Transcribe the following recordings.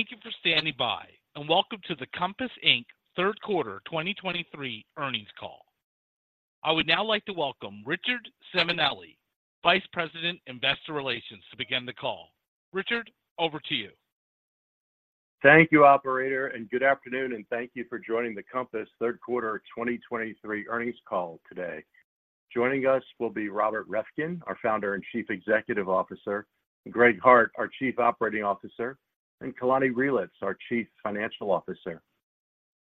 Thank you for standing by, and welcome to the Compass Inc. Q3 2023 earnings call. I would now like to welcome Richard Simonelli, Vice President, Investor Relations, to begin the call. Richard, over to you. Thank you, operator, and good afternoon, and thank you for joining the Compass Q3 2023 earnings call today. Joining us will be Robert Reffkin, our founder and Chief Executive Officer, Greg Hart, our Chief Operating Officer, and Kalani Reelitz, our Chief Financial Officer.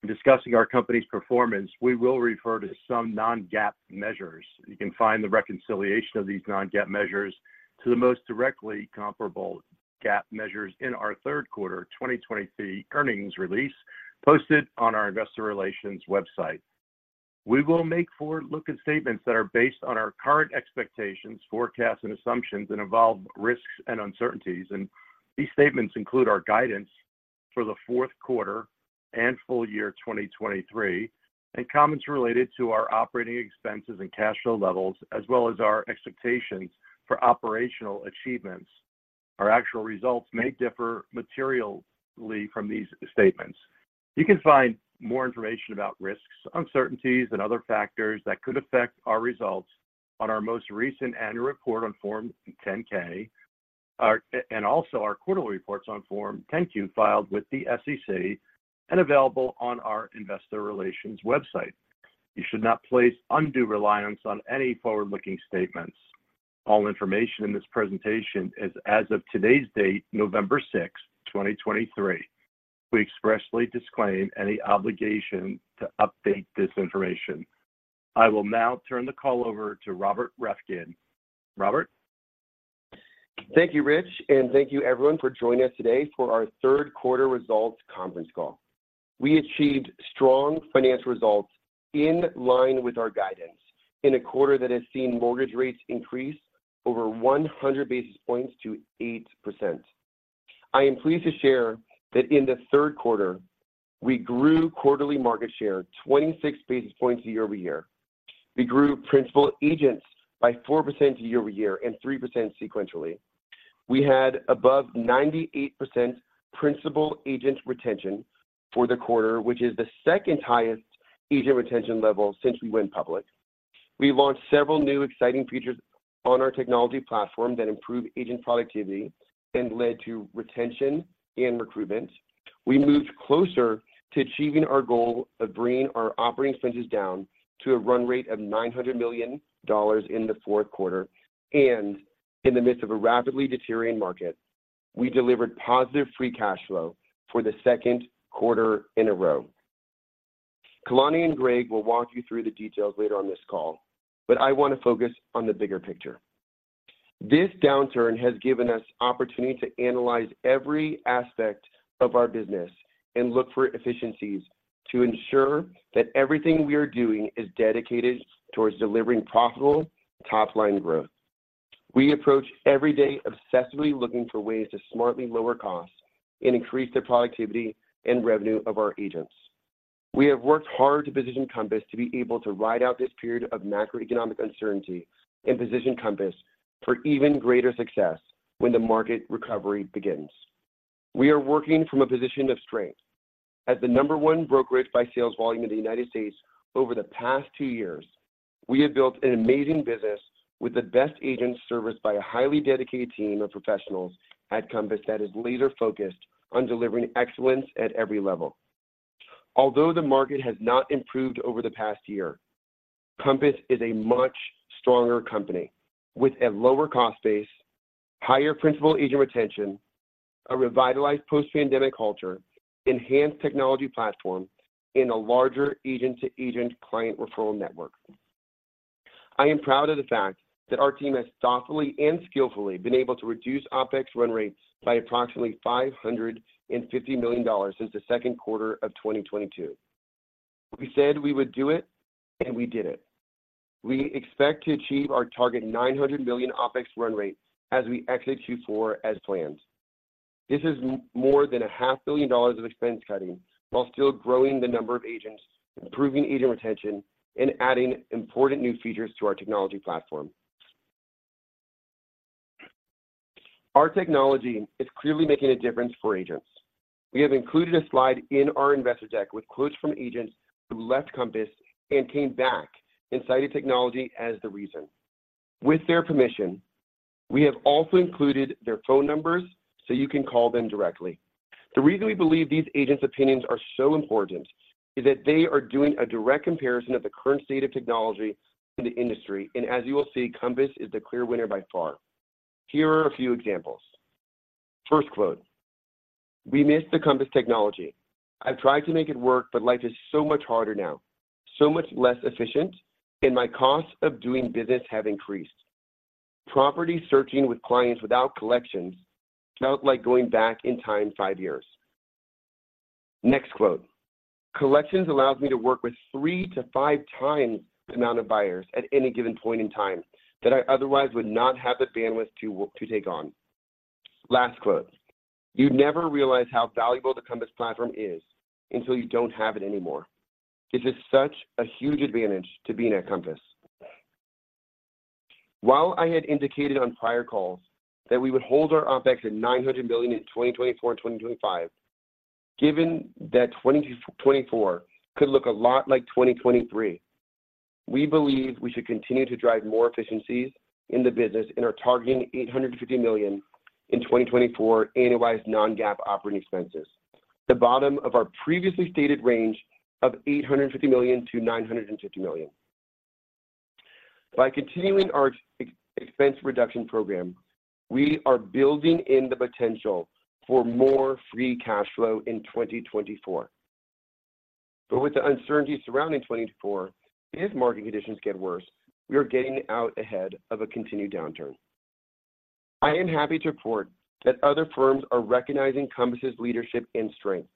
In discussing our company's performance, we will refer to some non-GAAP measures. You can find the reconciliation of these non-GAAP measures to the most directly comparable GAAP measures in our Q3 2023 earnings release, posted on our investor relations website. We will make forward-looking statements that are based on our current expectations, forecasts, and assumptions, and involve risks and uncertainties, and these statements include our guidance for the Q4 and full year 2023, and comments related to our operating expenses and cash flow levels, as well as our expectations for operational achievements. Our actual results may differ materially from these statements. You can find more information about risks, uncertainties, and other factors that could affect our results on our most recent annual report on Form 10-K, our and also our quarterly reports on Form 10-Q, filed with the SEC and available on our investor relations website. You should not place undue reliance on any forward-looking statements. All information in this presentation is as of today's date, November 6, 2023. We expressly disclaim any obligation to update this information. I will now turn the call over to Robert Reffkin. Robert? Thank you, Rich, and thank you everyone for joining us today for our Q3 results conference call. We achieved strong financial results in line with our guidance in a quarter that has seen mortgage rates increase over 100 basis points to 8%. I am pleased to share that in the Q3, we grew quarterly market share 26 basis points year-over-year. We grew principal agents by 4% year-over-year and 3% sequentially. We had above 98% principal agent retention for the quarter, which is the second highest agent retention level since we went public. We launched several new exciting features on our technology platform that improved agent productivity and led to retention and recruitment. We moved closer to achieving our goal of bringing our operating expenses down to a run rate of $900 million in the Q4, and in the midst of a rapidly deteriorating market, we delivered positive free cash flow for the Q2 in a row. Kalani and Greg will walk you through the details later on this call, but I want to focus on the bigger picture. This downturn has given us opportunity to analyze every aspect of our business and look for efficiencies to ensure that everything we are doing is dedicated towards delivering profitable top-line growth. We approach every day obsessively looking for ways to smartly lower costs and increase the productivity and revenue of our agents. We have worked hard to position Compass to be able to ride out this period of macroeconomic uncertainty and position Compass for even greater success when the market recovery begins. We are working from a position of strength. As the number one brokerage by sales volume in the United States over the past two years, we have built an amazing business with the best agents, serviced by a highly dedicated team of professionals at Compass that is laser-focused on delivering excellence at every level. Although the market has not improved over the past year, Compass is a much stronger company with a lower cost base, higher principal agent retention, a revitalized post-pandemic culture, enhanced technology platform, and a larger agent-to-agent client referral network. I am proud of the fact that our team has thoughtfully and skillfully been able to reduce OpEx run rates by approximately $550 million since the Q2 of 2022. We said we would do it, and we did it. We expect to achieve our target $900 million OpEx run rate as we exit Q4 as planned. This is more than a half billion dollars of expense cutting while still growing the number of agents, improving agent retention, and adding important new features to our technology platform. Our technology is clearly making a difference for agents. We have included a slide in our investor deck with quotes from agents who left Compass and came back, and cited technology as the reason. With their permission, we have also included their phone numbers so you can call them directly. The reason we believe these agents' opinions are so important is that they are doing a direct comparison of the current state of technology in the industry, and as you will see, Compass is the clear winner by far. Here are a few examples. First quote: "We missed the Compass technology. I've tried to make it work, but life is so much harder now, so much less efficient, and my costs of doing business have increased. Property searching with clients without Collections felt like going back in time five years." Next quote: "Collections allows me .o work with three to five times the amount of buyers at any given point in time that I otherwise would not have the bandwidth to take on." Last quote: "You never realize how valuable the Compass platform is until you don't have it anymore. It is such a huge advantage to being at Compass."... While I had indicated on prior calls that we would hold our OpEx at $900 million in 2024 and 2025, given that 2024 could look a lot like 2023, we believe we should continue to drive more efficiencies in the business and are targeting $850 million in 2024 annualized non-GAAP operating expenses, the bottom of our previously stated range of $850 million-$950 million. By continuing our expense reduction program, we are building in the potential for more free cash flow in 2024. But with the uncertainty surrounding 2024, if market conditions get worse, we are getting out ahead of a continued downturn. I am happy to report that other firms are recognizing Compass's leadership and strength.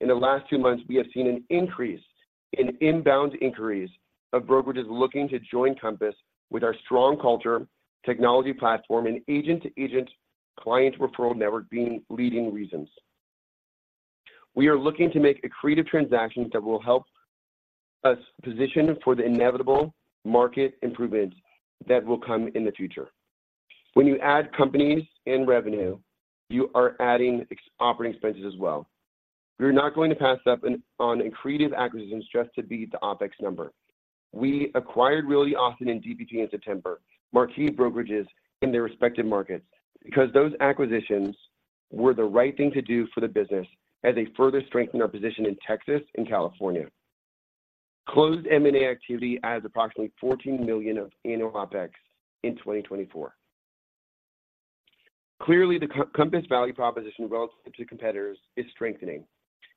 In the last two months, we have seen an increase in inbound inquiries of brokerages looking to join Compass with our strong culture, technology platform, and agent-to-agent client referral network being leading reasons. We are looking to make accretive transactions that will help us position for the inevitable market improvements that will come in the future. When you add companies and revenue, you are adding ex-operating expenses as well. We're not going to pass up on accretive acquisitions just to beat the OpEx number. We acquired Realty Austin and DPP in September, marquee brokerages in their respective markets, because those acquisitions were the right thing to do for the business as they further strengthen our position in Texas and California. Closed M&A activity adds approximately $14 million of annual OpEx in 2024. Clearly, the Compass value proposition relative to competitors is strengthening.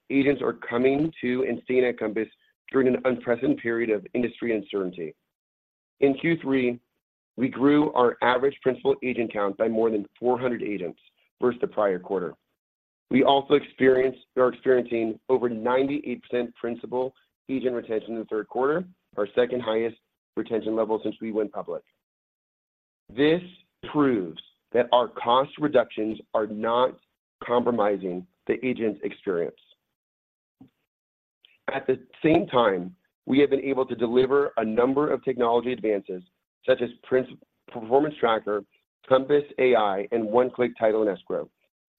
Agents are coming to and staying at Compass during an unprecedented period of industry uncertainty. In Q3, we grew our average principal agent count by more than 400 agents versus the prior quarter. We are experiencing over 98% principal agent retention in the Q3, our second highest retention level since we went public. This proves that our cost reductions are not compromising the agent's experience. At the same time, we have been able to deliver a number of technology advances, such as Performance Tracker, Compass AI, and One-Click Title & Escrow.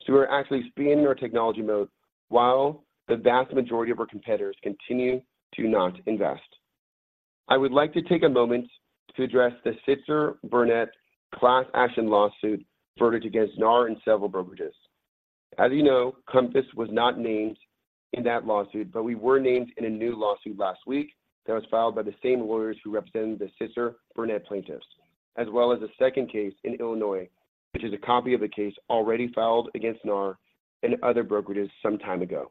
So we're actually speeding our technology mode while the vast majority of our competitors continue to not invest. I would like to take a moment to address the Sitzer/Burnett class action lawsuit verdict against NAR and several brokerages. As you know, Compass was not named in that lawsuit, but we were named in a new lawsuit last week that was filed by the same lawyers who represented the Sitzer/Burnett plaintiffs, as well as a second case in Illinois, which is a copy of the case already filed against NAR and other brokerages some time ago.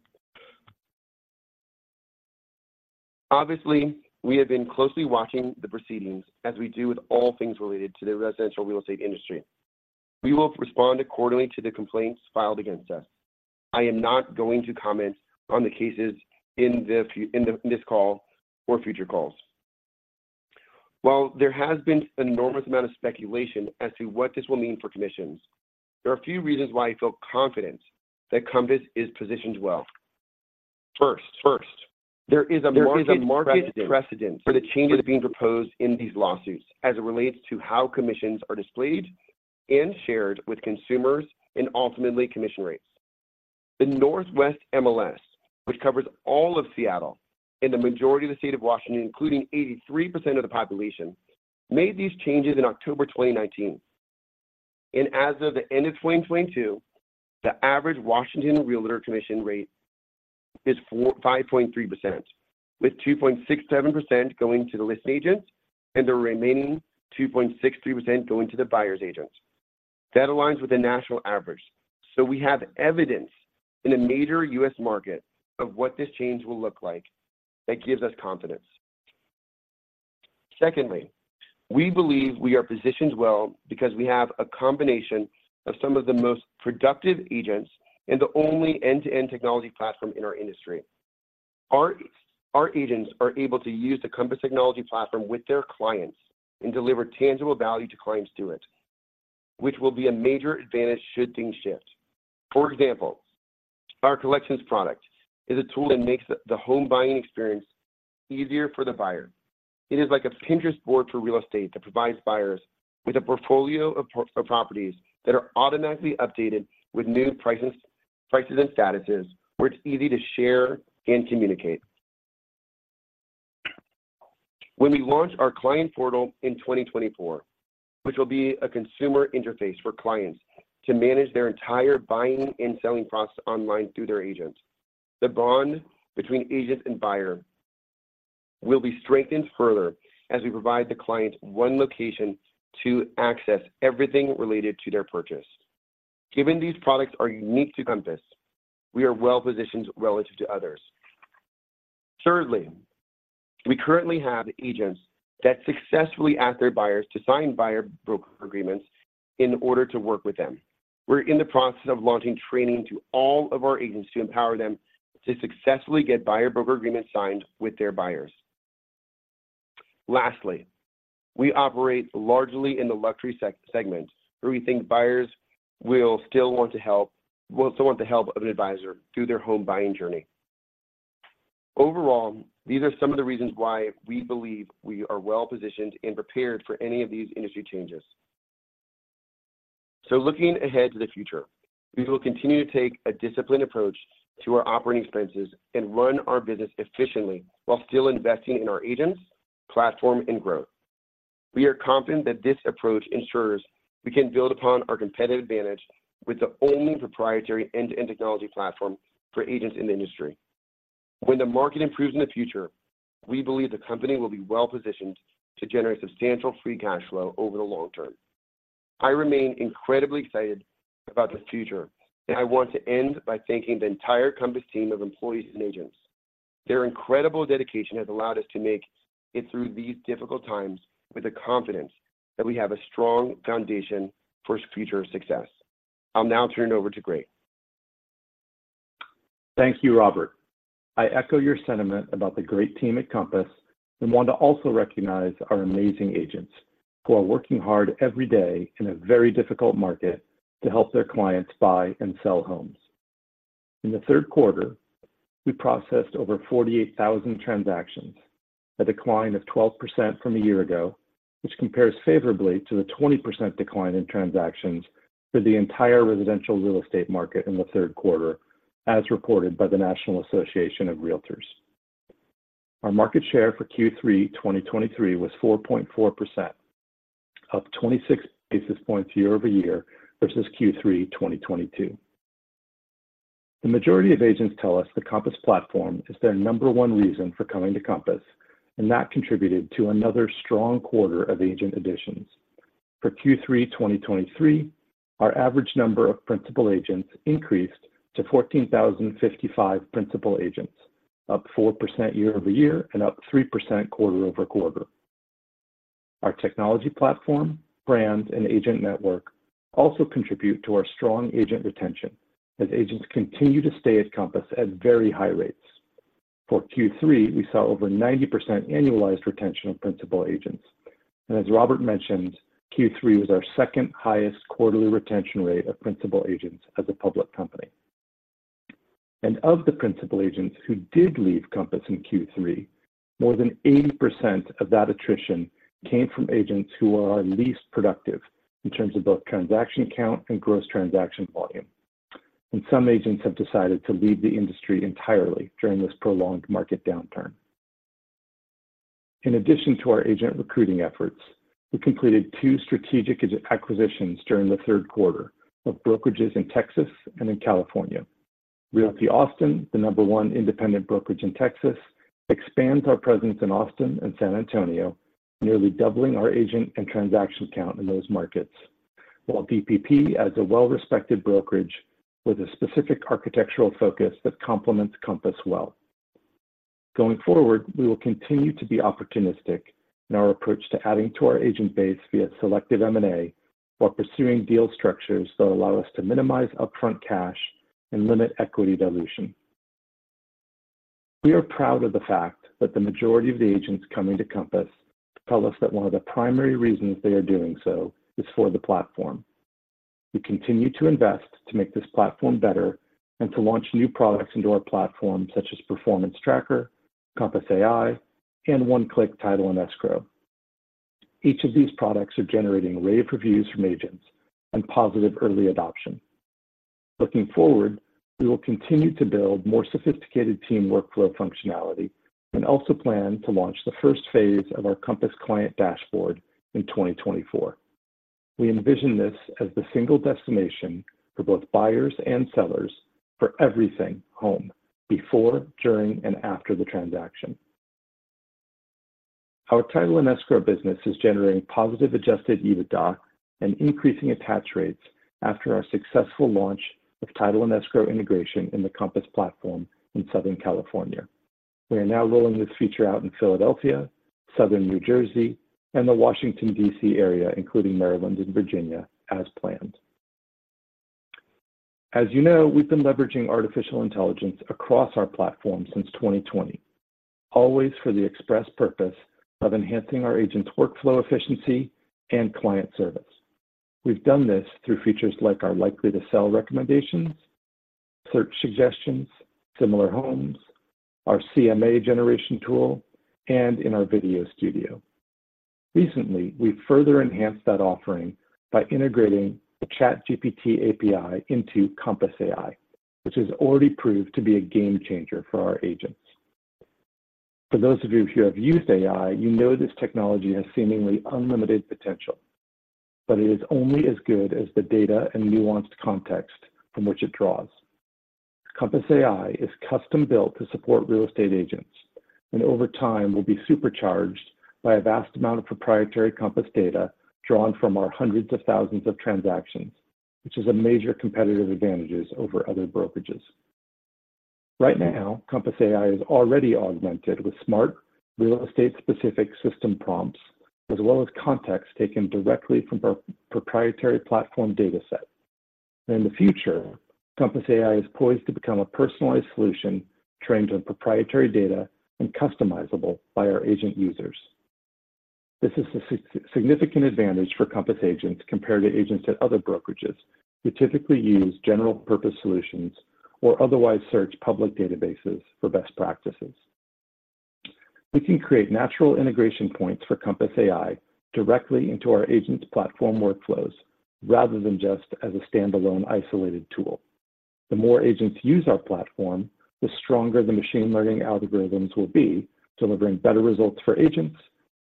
Obviously, we have been closely watching the proceedings, as we do with all things related to the residential real estate industry. We will respond accordingly to the complaints filed against us. I am not going to comment on the cases in this call or future calls. While there has been an enormous amount of speculation as to what this will mean for commissions, there are a few reasons why I feel confident that Compass is positioned well. First, there is a market precedent for the changes being proposed in these lawsuits as it relates to how commissions are displayed and shared with consumers and ultimately, commission rates. The Northwest MLS, which covers all of Seattle and the majority of the state of Washington, including 83% of the population, made these changes in October 2019, and as of the end of 2022, the average Washington realtor commission rate is five point three percent, with two point six seven percent going to the listing agent and the remaining two point six three percent going to the buyer's agent. That aligns with the national average. So we have evidence in a major U.S. market of what this change will look like. That gives us confidence. Secondly, we believe we are positioned well because we have a combination of some of the most productive agents and the only end-to-end technology platform in our industry. Our agents are able to use the Compass technology platform with their clients and deliver tangible value to clients through it, which will be a major advantage should things shift. For example, our Collections product is a tool that makes the home buying experience easier for the buyer. It is like a Pinterest board for real estate that provides buyers with a portfolio of properties that are automatically updated with new prices and statuses, where it's easy to share and communicate. When we launch our client portal in 2024, which will be a consumer interface for clients to manage their entire buying and selling process online through their agents, the bond between agent and buyer will be strengthened further as we provide the client one location to access everything related to their purchase. Given these products are unique to Compass, we are well positioned relative to others. Thirdly, we currently have agents that successfully ask their buyers to sign buyer broker agreements in order to work with them. We're in the process of launching training to all of our agents to empower them to successfully get buyer broker agreements signed with their buyers. Lastly, we operate largely in the luxury segment, where we think buyers will still want the help of an advisor through their home buying journey. Overall, these are some of the reasons why we believe we are well-positioned and prepared for any of these industry changes. Looking ahead to the future, we will continue to take a disciplined approach to our operating expenses and run our business efficiently while still investing in our agents, platform, and growth. We are confident that this approach ensures we can build upon our competitive advantage with the only proprietary end-to-end technology platform for agents in the industry. When the market improves in the future, we believe the company will be well-positioned to generate substantial free cash flow over the long term. I remain incredibly excited about the future, and I want to end by thanking the entire Compass team of employees and agents. Their incredible dedication has allowed us to make it through these difficult times with .he confidence that we have a strong foundation for future success. I'll now turn it over to Greg. Thank you, Robert. I echo your sentiment about the great team at Compass and want to also recognize our amazing agents, who are working hard every day in a very difficult market to help their clients buy and sell homes. In the Q3, we processed over 48,000 transactions, a decline of 12% from a year ago, which compares favorably to the 20% decline in transactions for the entire residential real estate market in the Q3, as reported by the National Association of Realtors. Our market share for Q3 2023 was 4.4%, up 26 basis points year-over-year versus Q3 2022. The majority of agents tell us the Compass platform is their number one reason for coming to Compass, and that contributed to another strong quarter of agent additions. For Q3 2023, our average number of principal agents increased to 14,055 principal agents, up 4% year-over-year and up 3% quarter-over-quarter. Our technology platform, brand, and agent network also contribute to our strong agent retention, as agents continue to stay at Compass at very high rates. For Q3, we saw over 90% annualized retention of principal agents, and as Robert mentioned, Q3 was our second highest quarterly retention rate of principal agents as a public company. Of the principal agents who did leave Compass in Q3, more than 80% of that attrition came from agents who are our least productive in terms of both transaction count and gross transaction volume. Some agents have decided to leave the industry entirely during this prolonged market downturn. In addition to our agent recruiting efforts, we completed two strategic acquisitions during the Q3 of brokerages in Texas and in California. Realty Austin, the number 1 independent brokerage in Texas, expands our presence in Austin and San Antonio, nearly doubling our agent and transaction count in those markets, while DPP, as a well-respected brokerage with a specific architectural focus that complements Compass well. Going forward, we will continue to be opportunistic in our approach to adding to our agent base via selective M&A, while pursuing deal structures that allow us to minimize upfront cash and limit equity dilution. We are proud of the fact that the majority of the agents coming to Compass tell us that one of the primary reasons they are doing so is for the platform. We continue to invest to make this platform better and to launch new products into our platform, such as Performance Tracker, Compass AI, and One-Click Title & Escrow. Each of these products are generating rave reviews from agents and positive early adoption. Looking forward, we will continue to build more sophisticated team workflow functionality and also plan to launch the first phase of our Compass Client Dashboard in 2024. We envision this as the single destination for both buyers and sellers for everything home, before, during, and after the transaction. Our title and escrow business is generating positive Adjusted EBITDA and increasing attach rates after our successful launch of title and escrow integration in the Compass platform in Southern California. We are now rolling this feature out in Philadelphia, Southern New Jersey, and the Washington, D.C. area, including Maryland and Virginia, as planned. As you know, we've been leveraging artificial intelligence across our platform since 2020, always for the express purpose of enhancing our agents' workflow efficiency and client service. We've done this through features like our Likely to Sell recommendations, search suggestions, similar homes, our CMA generation tool, and in our Video Studio. Recently, we've further enhanced that offering by integrating the ChatGPT API into Compass AI, which has already proved to be a game changer for our agents. For those of you who have used AI, you know this technology has seemingly unlimited potential, but it is only as good as the data and nuanced context from which it draws. Compass AI is custom-built to support real estate agents, and over time, will be supercharged by a vast amount of proprietary Compass data drawn from our hundreds of thousands of transactions, which is a major competitive advantages over other brokerages. Right now, Compass AI is already augmented with smart, real estate-specific system prompts, as well as context taken directly from our proprietary platform dataset. In the future, Compass AI is poised to become a personalized solution trained on proprietary data and customizable by our agent users.... This is a significant advantage for Compass agents compared to agents at other brokerages who typically use general purpose solutions or otherwise search public databases for best practices. We can create natural integration points for Compass AI directly into our agents' platform workflows, rather than just as a standalone, isolated tool. The more agents use our platform, the stronger the machine learning algorithms will be, delivering better results for agents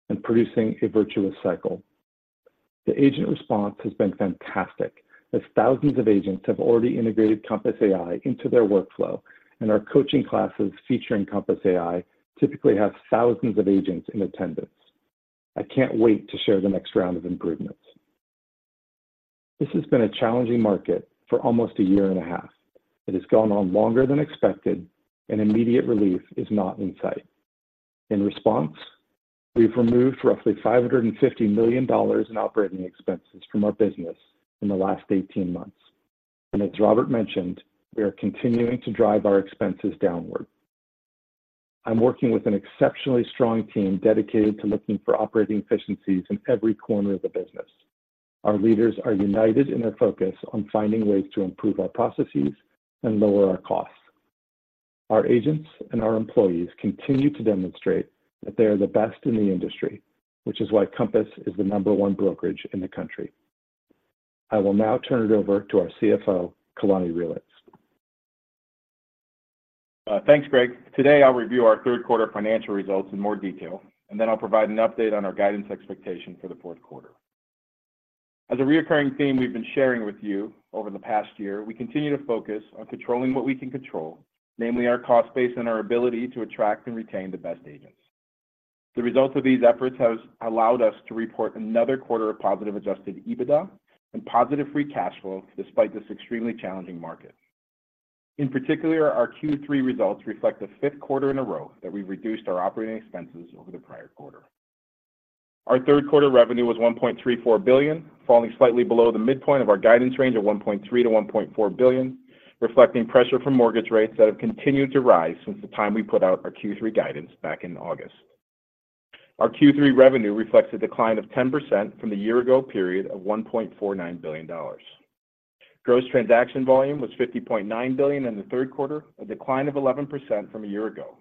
and producing a virtuous cycle. The agent response has been fantastic, as thousands of agents have already integrated Compass AI into their workflow, and our coaching classes featuring Compass AI typically have thousands of agents in attendance. I can't wait to share the next round of improvements. This has been a challenging market for almost a year and a half. It has gone on longer than expected, and immediate relief is not in sight. In response, we've removed roughly $550 million in operating expenses from our business in the last 18 months, and as Robert mentioned, we are continuing to drive our expenses downward. I'm working with an exceptionally strong team dedicated to looking for operating efficiencies in every corner of the business. Our leaders are united in their focus on finding ways to improve our processes and lower our costs. Our agents and our employees continue to demonstrate that they are the best in the industry, which is why Compass is the number one brokerage in the country. I will now turn it over to our CFO, Kalani Reelitz. Thanks, Greg. Today, I'll review our Q3 financial results in more detail, and then I'll provide an update on our guidance expectation for the Q4. As a recurring theme we've been sharing with you over the past year, we continue to focus on controlling what we can control, namely our cost base and our ability to attract and retain the best agents. The results of these efforts has allowed us to report another quarter of positive Adjusted EBITDA and positive Free Cash Flow, despite this extremely challenging market. In particular, our Q3 results reflect the fifth quarter in a row that we've reduced our operating expenses over the prior quarter. Our Q3 revenue was $1.34 billion, falling slightly below the midpoint of our guidance range of $1.3 billion-$1.4 billion, reflecting pressure from mortgage rates that have continued to rise since the time we put out our Q3 guidance back in August. Our Q3 revenue reflects a decline of 10% from the year ago period of $1.49 billion. Gross transaction volume was $50.9 billion in the Q3, a decline of 11% from a year ago,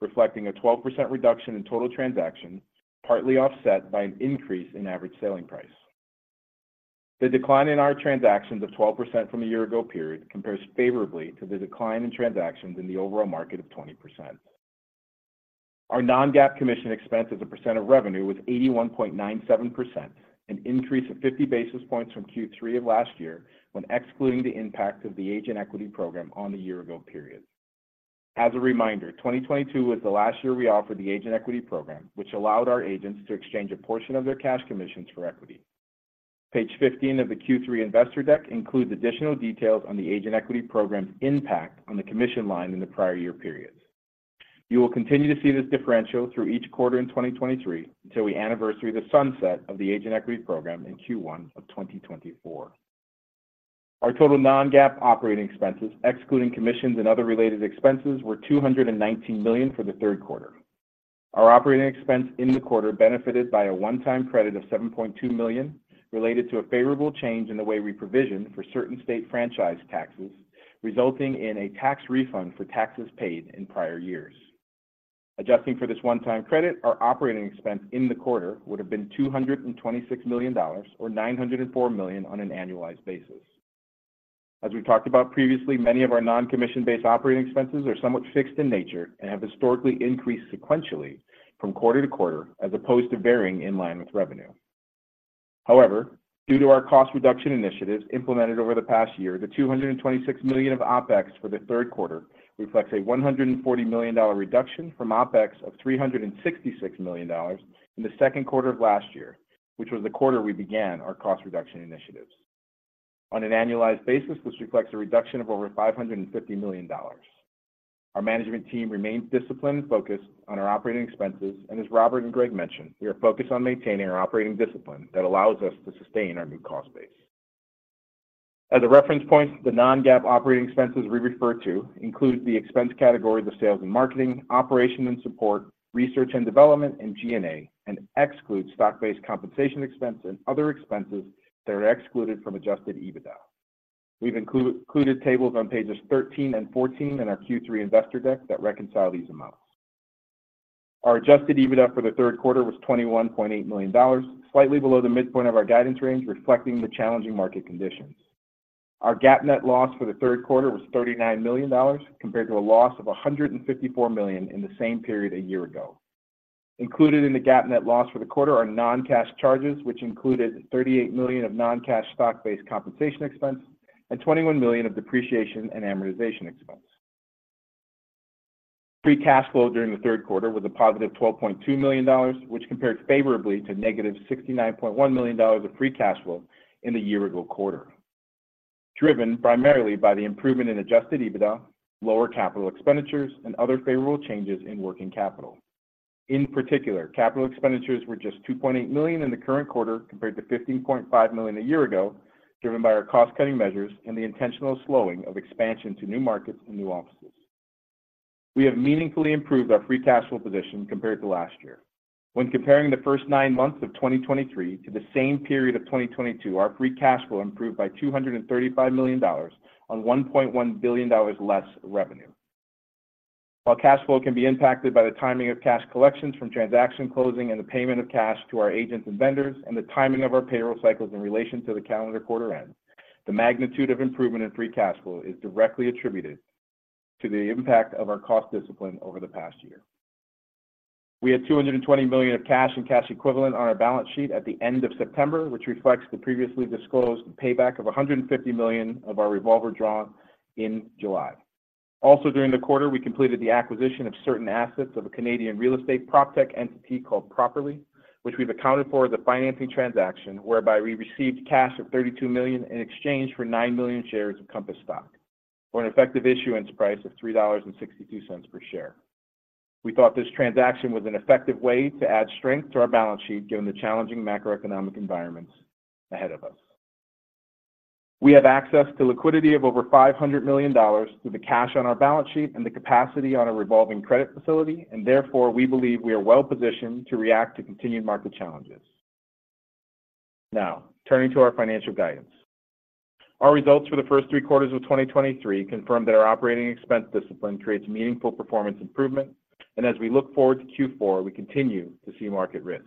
reflecting a 12% reduction in total transactions, partly offset by an increase in average selling price. The decline in our transactions of 12% from a year ago period compares favorably to the decline in transactions in the overall market of 20%. Our non-GAAP commission expense as a percent of revenue was 81.97%, an increase of 50 basis points from Q3 of last year, when excluding the impact of the Agent Equity Program on the year ago period. As a reminder, 2022 was the last year we offered the Agent Equity Program, which allowed our agents to exchange a portion of their cash commissions for equity. Page 15 of the Q3 investor deck includes additional details on the Agent Equity Program's impact on the commission line in the prior year periods. You will continue to see this differential through each quarter in 2023 until we anniversary the sunset of the Agent Equity Program in Q1 of 2024. Our total non-GAAP operating expenses, excluding commissions and other related expenses, were $219 million for the Q3. Our operating expense in the quarter benefited by a one-time credit of $7.2 million, related to a favorable change in the way we provision for certain state franchise taxes, resulting in a tax refund for taxes paid in prior years. Adjusting for this one-time credit, our operating expense in the quarter would have been $226 million or $904 million on an annualized basis. As we talked about previously, many of our non-commission-based operating expenses are somewhat fixed in nature and have historically increased sequentially from quarter to quarter, as opposed to varying in line with revenue. However, due to our cost reduction initiatives implemented over the past year, the $226 million of OpEx for the Q3 reflects a $140 million reduction from OpEx of $366 million in the Q2 of last year, which was the quarter we began our cost reduction initiatives. On an annualized basis, this reflects a reduction of over $550 million. Our management team remains disciplined and focused on our operating expenses, and as Robert and Greg mentioned, we are focused on maintaining our operating discipline that allows us to sustain our new cost base. As a reference point, the non-GAAP operating expenses we refer to include the expense category, the sales and marketing, operations and support, research and development, and G&A, and excludes stock-based compensation expense and other expenses that are excluded from Adjusted EBITDA. We've included tables on pages 13 and 14 in our Q3 investor deck that reconcile these amounts. Our adjusted EBITDA for the Q3 was $21.8 million, slightly below the midpoint of our guidance range, reflecting the challenging market conditions. Our GAAP net loss for the Q3 was $39 million, compared to a loss of $154 million in the same period a year ago. Included in the GAAP net loss for the quarter are non-cash charges, which included $38 million of non-cash stock-based compensation expense and $21 million of depreciation and amortization expense. Free cash flow during the Q3 was a positive $12.2 million, which compares favorably to negative $69.1 million of free cash flow in the year-ago quarter, driven primarily by the improvement in Adjusted EBITDA, lower capital expenditures, and other favorable changes in working capital. In particular, capital expenditures were just $2.8 million in the current quarter, compared to $15.5 million a year ago, driven by our cost-cutting measures and the intentional slowing of expansion to new markets and new offices.... We have meaningfully improved our free cash flow position compared to last year. When comparing the first nine months of 2023 to the same period of 2022, our free cash flow improved by $235 million on $1.1 billion less revenue. While cash flow can be impacted by the timing of cash collections from transaction closing and the payment of cash to our agents and vendors, and the timing of our payroll cycles in relation to the calendar quarter end, the magnitude of improvement in free cash flow is directly attributed to the impact of our cost discipline over the past year. We had $220 million of cash and cash equivalent on our balance sheet at the end of September, which reflects the previously disclosed payback of $150 million of our revolver draw in July. Also, during the quarter, we completed the acquisition of certain assets of a Canadian real estate PropTech entity called Properly, which we've accounted for as a financing transaction, whereby we received cash of $32 million in exchange for 9 million shares of Compass stock, for an effective issuance price of $3.62 per share. We thought this transaction was an effective way to add strength to our balance sheet, given the challenging macroeconomic environments ahead of us. We have access to liquidity of over $500 million through the cash on our balance sheet and the capacity on a revolving credit facility, and therefore, we believe we are well positioned to react to continued market challenges. Now, turning to our financial guidance. Our results for the first three quarters of 2023 confirmed that our operating expense discipline creates meaningful performance improvement, and as we look forward to Q4, we continue to see market risks.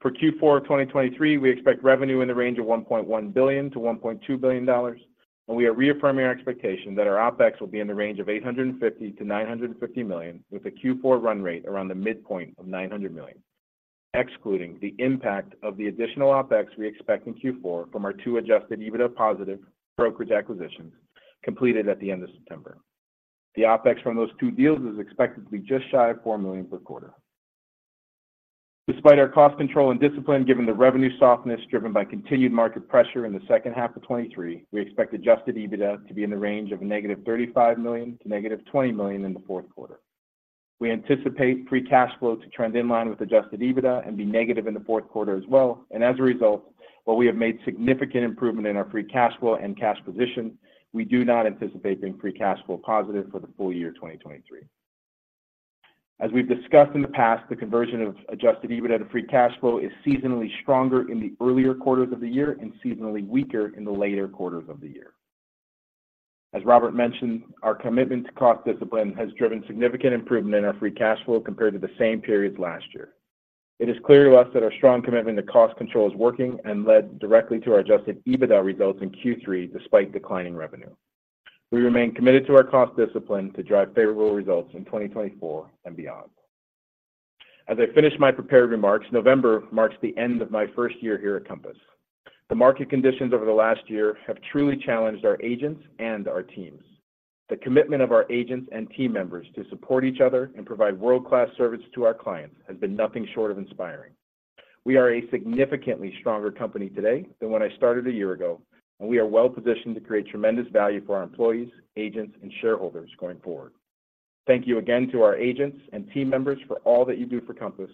For Q4 of 2023, we expect revenue in the range of $1.1 billion-$1.2 billion, and we are reaffirming our expectation that our OpEx will be in the range of $850 million-$950 million, with a Q4 run rate around the midpoint of $900 million, excluding the impact of the additional OpEx we expect in Q4 from our two adjusted EBITDA positive brokerage acquisitions completed at the end of September. The OpEx from those two deals is expected to be just shy of $4 million per quarter. Despite our cost control and discipline, given the revenue softness driven by continued market pressure in the second half of 2023, we expect Adjusted EBITDA to be in the range of -$35 million to -$20 million in the Q4. We anticipate Free Cash Flow to trend in line with Adjusted EBITDA and be negative in the Q4 as well, and as a result, while we have made significant improvement in our Free Cash Flow and cash position, we do not anticipate being Free Cash Flow positive for the full year 2023. As we've discussed in the past, the conversion of Adjusted EBITDA to Free Cash Flow is seasonally stronger in the earlier quarters of the year and seasonally weaker in the later quarters of the year. As Robert mentioned, our commitment to cost discipline has driven significant improvement in our Free Cash Flow compared to the same periods last year. It is clear to us that our strong commitment to cost control is working and led directly to our Adjusted EBITDA results in Q3, despite declining revenue. We remain committed to our cost discipline to drive favorable results in 2024 and beyond. As I finish my prepared remarks, November marks the end of my first year here at Compass. The market conditions over the last year have truly challenged our agents and our teams. The commitment of our agents and team members to support each other and provide world-class service to our clients has been nothing short of inspiring. We are a significantly stronger company today than when I started a year ago, and we are well positioned to create tremendous value for our employees, agents, and shareholders going forward. Thank you again to our agents and team members for all that you do for Compass.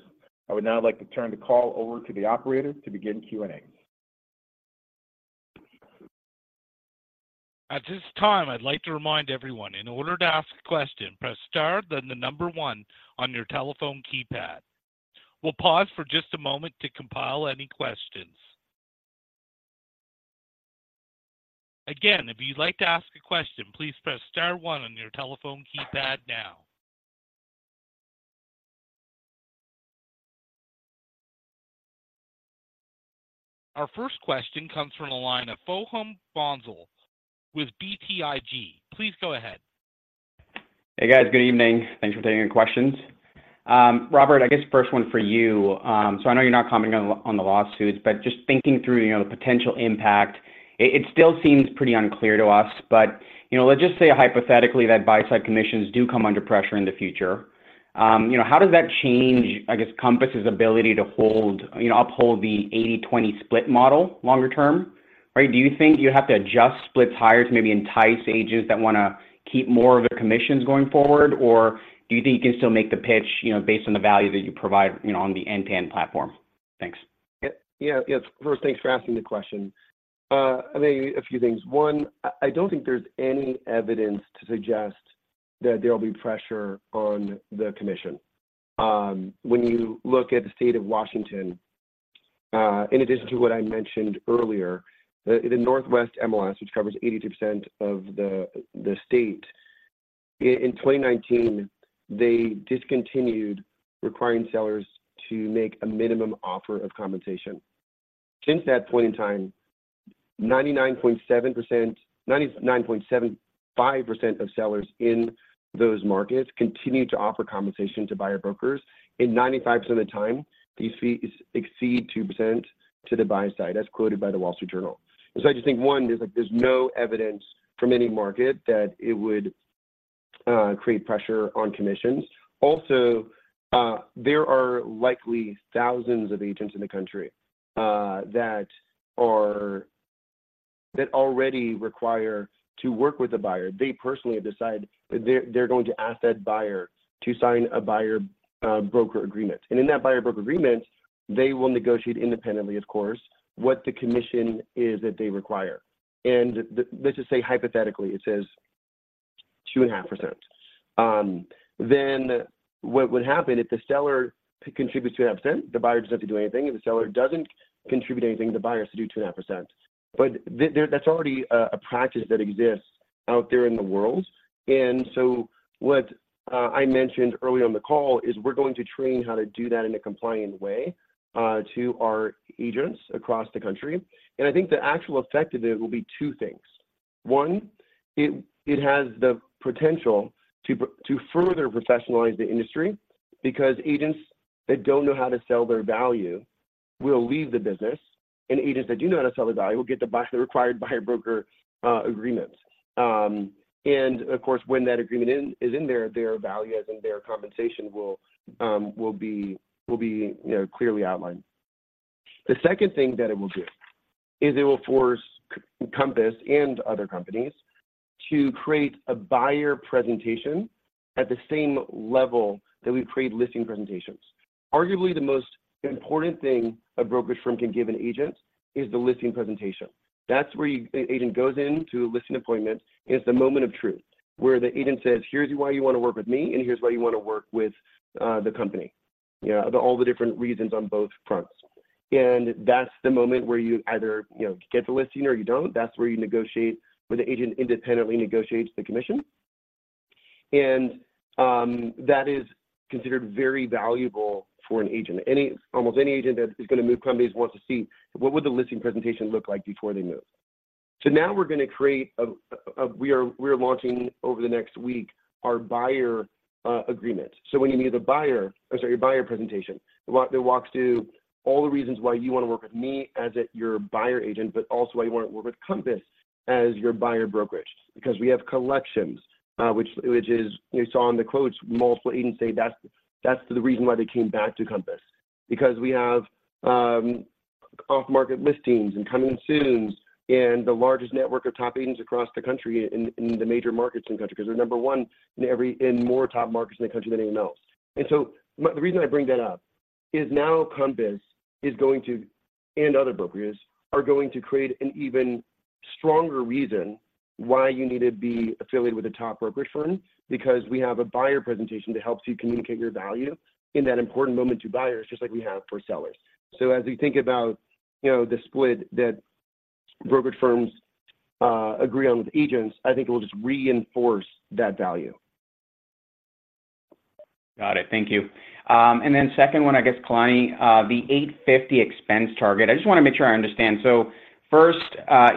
I would now like to turn the call over to the operator to begin Q&A. At this time, I'd like to remind everyone, in order to ask a question, press Star, then the number one on your telephone keypad. We'll pause for just a moment to compile any questions. Again, if you'd like to ask a question, please press Star one on your telephone keypad now. Our first question comes from the line of Soham Bhonsle with BTIG. Please go ahead. Hey, guys. Good evening. Thanks for taking our questions. Robert, I guess the first one for you, so I know you're not commenting on the, on the lawsuits, but just thinking through, you know, the potential impact, it, it still seems pretty unclear to us. But, you know, let's just say hypothetically, that buy-side commissions do come under pressure in the future, you know, how does that change, I guess, Compass's ability to hold, you know, uphold the 80/20 split model longer term, right? Do you think you have to adjust splits higher to maybe entice agents that wanna keep more of their commissions going forward? Or do you think you can still make the pitch, you know, based on the value that you provide, you know, on the end-to-end platform? Thanks. Yeah. Yeah, first, thanks for asking the question. I mean, a few things. One, I don't think there's any evidence to suggest that there will be pressure on the commission. When you look at the state of Washington, in addition to what I mentioned earlier, the Northwest MLS, which covers 80% of the state, in 2019, they discontinued requiring sellers to make a minimum offer of compensation. Since that point in time, 99.7%—99.75% of sellers in those markets continue to offer compensation to buyer brokers, and 95% of the time, these fees exceed 2% to the buy side, as quoted by The Wall Street Journal. And so I just think, one, there's, like—there's no evidence from any market that it would create pressure on commissions. Also, there are likely thousands of agents in the country that already require to work with a buyer. They personally have decided that they're going to ask that buyer to sign a Buyer Broker Agreement. And in that Buyer Broker Agreement, they will negotiate independently, of course, what the commission is that they require.... and let's just say hypothetically, it says 2.5%. Then what would happen if the seller contributes 2.5%, the buyer doesn't have to do anything. If the seller doesn't contribute anything, the buyer has to do 2.5%. But that's already a practice that exists out there in the world. And so what I mentioned earlier on the call is we're going to train how to do that in a compliant way to our agents across the country. And I think the actual effect of it will be two things. One, it has the potential to further professionalize the industry, because agents that don't know how to sell their value will leave the business, and agents that do know how to sell their value will get the required buyer broker agreements. And of course, when that agreement is in there, their value as in their compensation will be, you know, clearly outlined. The second thing that it will do is it will force Compass and other companies to create a buyer presentation at the same level that we've created listing presentations. Arguably, the most important thing a brokerage firm can give an agent is the listing presentation. That's where the agent goes in to a listing appointment, and it's the moment of truth, where the agent says, "Here's why you wanna work with me, and here's why you wanna work with the company." You know, all the different reasons on both fronts. And that's the moment where you either, you know, get the listing or you don't. That's where you negotiate where the agent independently negotiates the commission. And that is considered very valuable for an agent. Almost any agent that is gonna move companies wants to see what would the listing presentation look like before they move. So now we're gonna create a. We are launching over the next week, our buyer agreement. So when you meet with a buyer, oh, sorry, a buyer presentation that walks through all the reasons why you wanna work with me as your buyer agent, but also why you wanna work with Compass as your buyer brokerage. Because we have Collections, which is, you saw in the quotes, multiple agents say that's the reason why they came back to Compass. Because we have off-market listings and coming soon, and the largest network of top agents across the country in the major markets in the country, because we're number one in every in more top markets in the country than anyone else. And so, the reason I bring that up is now Compass is going to, and other brokerages, are going to create an even stronger reason why you need to be affiliated with a top brokerage firm, because we have a buyer presentation that helps you communicate your value in that important moment to buyers, just like we have for sellers. So as we think about, you know, the split that brokerage firms agree on with agents, I think it will just reinforce that value. Got it. Thank you. And then second one, I guess, Kalani, the 850 expense target. I just wanna make sure I understand. So first,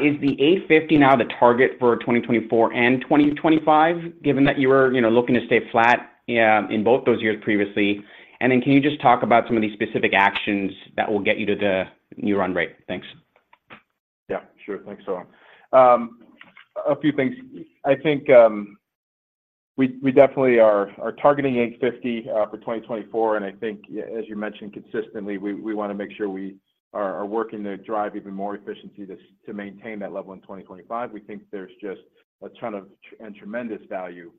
is the 850 now the target for 2024 and 2025, given that you were, you know, looking to stay flat, in both those years previously? And then can you just talk about some of these specific actions that will get you to the new run rate? Thanks. Yeah, sure. Thanks, Soham. A few things. I think, we definitely are targeting $850 for 2024, and I think, as you mentioned, consistently, we wanna make sure we are working to drive even more efficiency to maintain that level in 2025. We think there's just a ton of tremendous value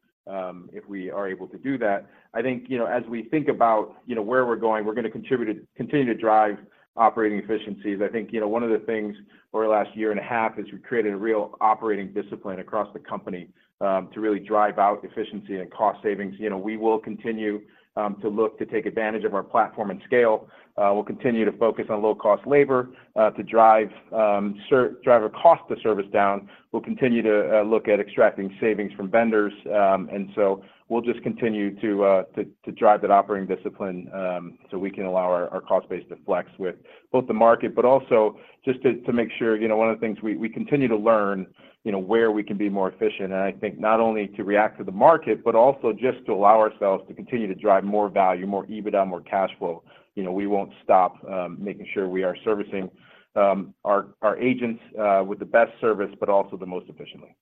if we are able to do that. I think, you know, as we think about, you know, where we're going, we're gonna continue to drive operating efficiencies. I think, you know, one of the things over the last year and a half is we've created a real operating discipline across the company to really drive out efficiency and cost savings. You know, we will continue to look to take advantage of our platform and scale. We'll continue to focus on low-cost labor to drive our cost of service down. We'll continue to look at extracting savings from vendors, and so we'll just continue to drive that operating discipline, so we can allow our cost base to flex with both the market, but also just to make sure, you know, one of the things we continue to learn, you know, where we can be more efficient. And I think not only to react to the market, but also just to allow ourselves to continue to drive more value, more EBITDA, more cash flow. You know, we won't stop making sure we are servicing our agents with the best service, but also the most efficiently.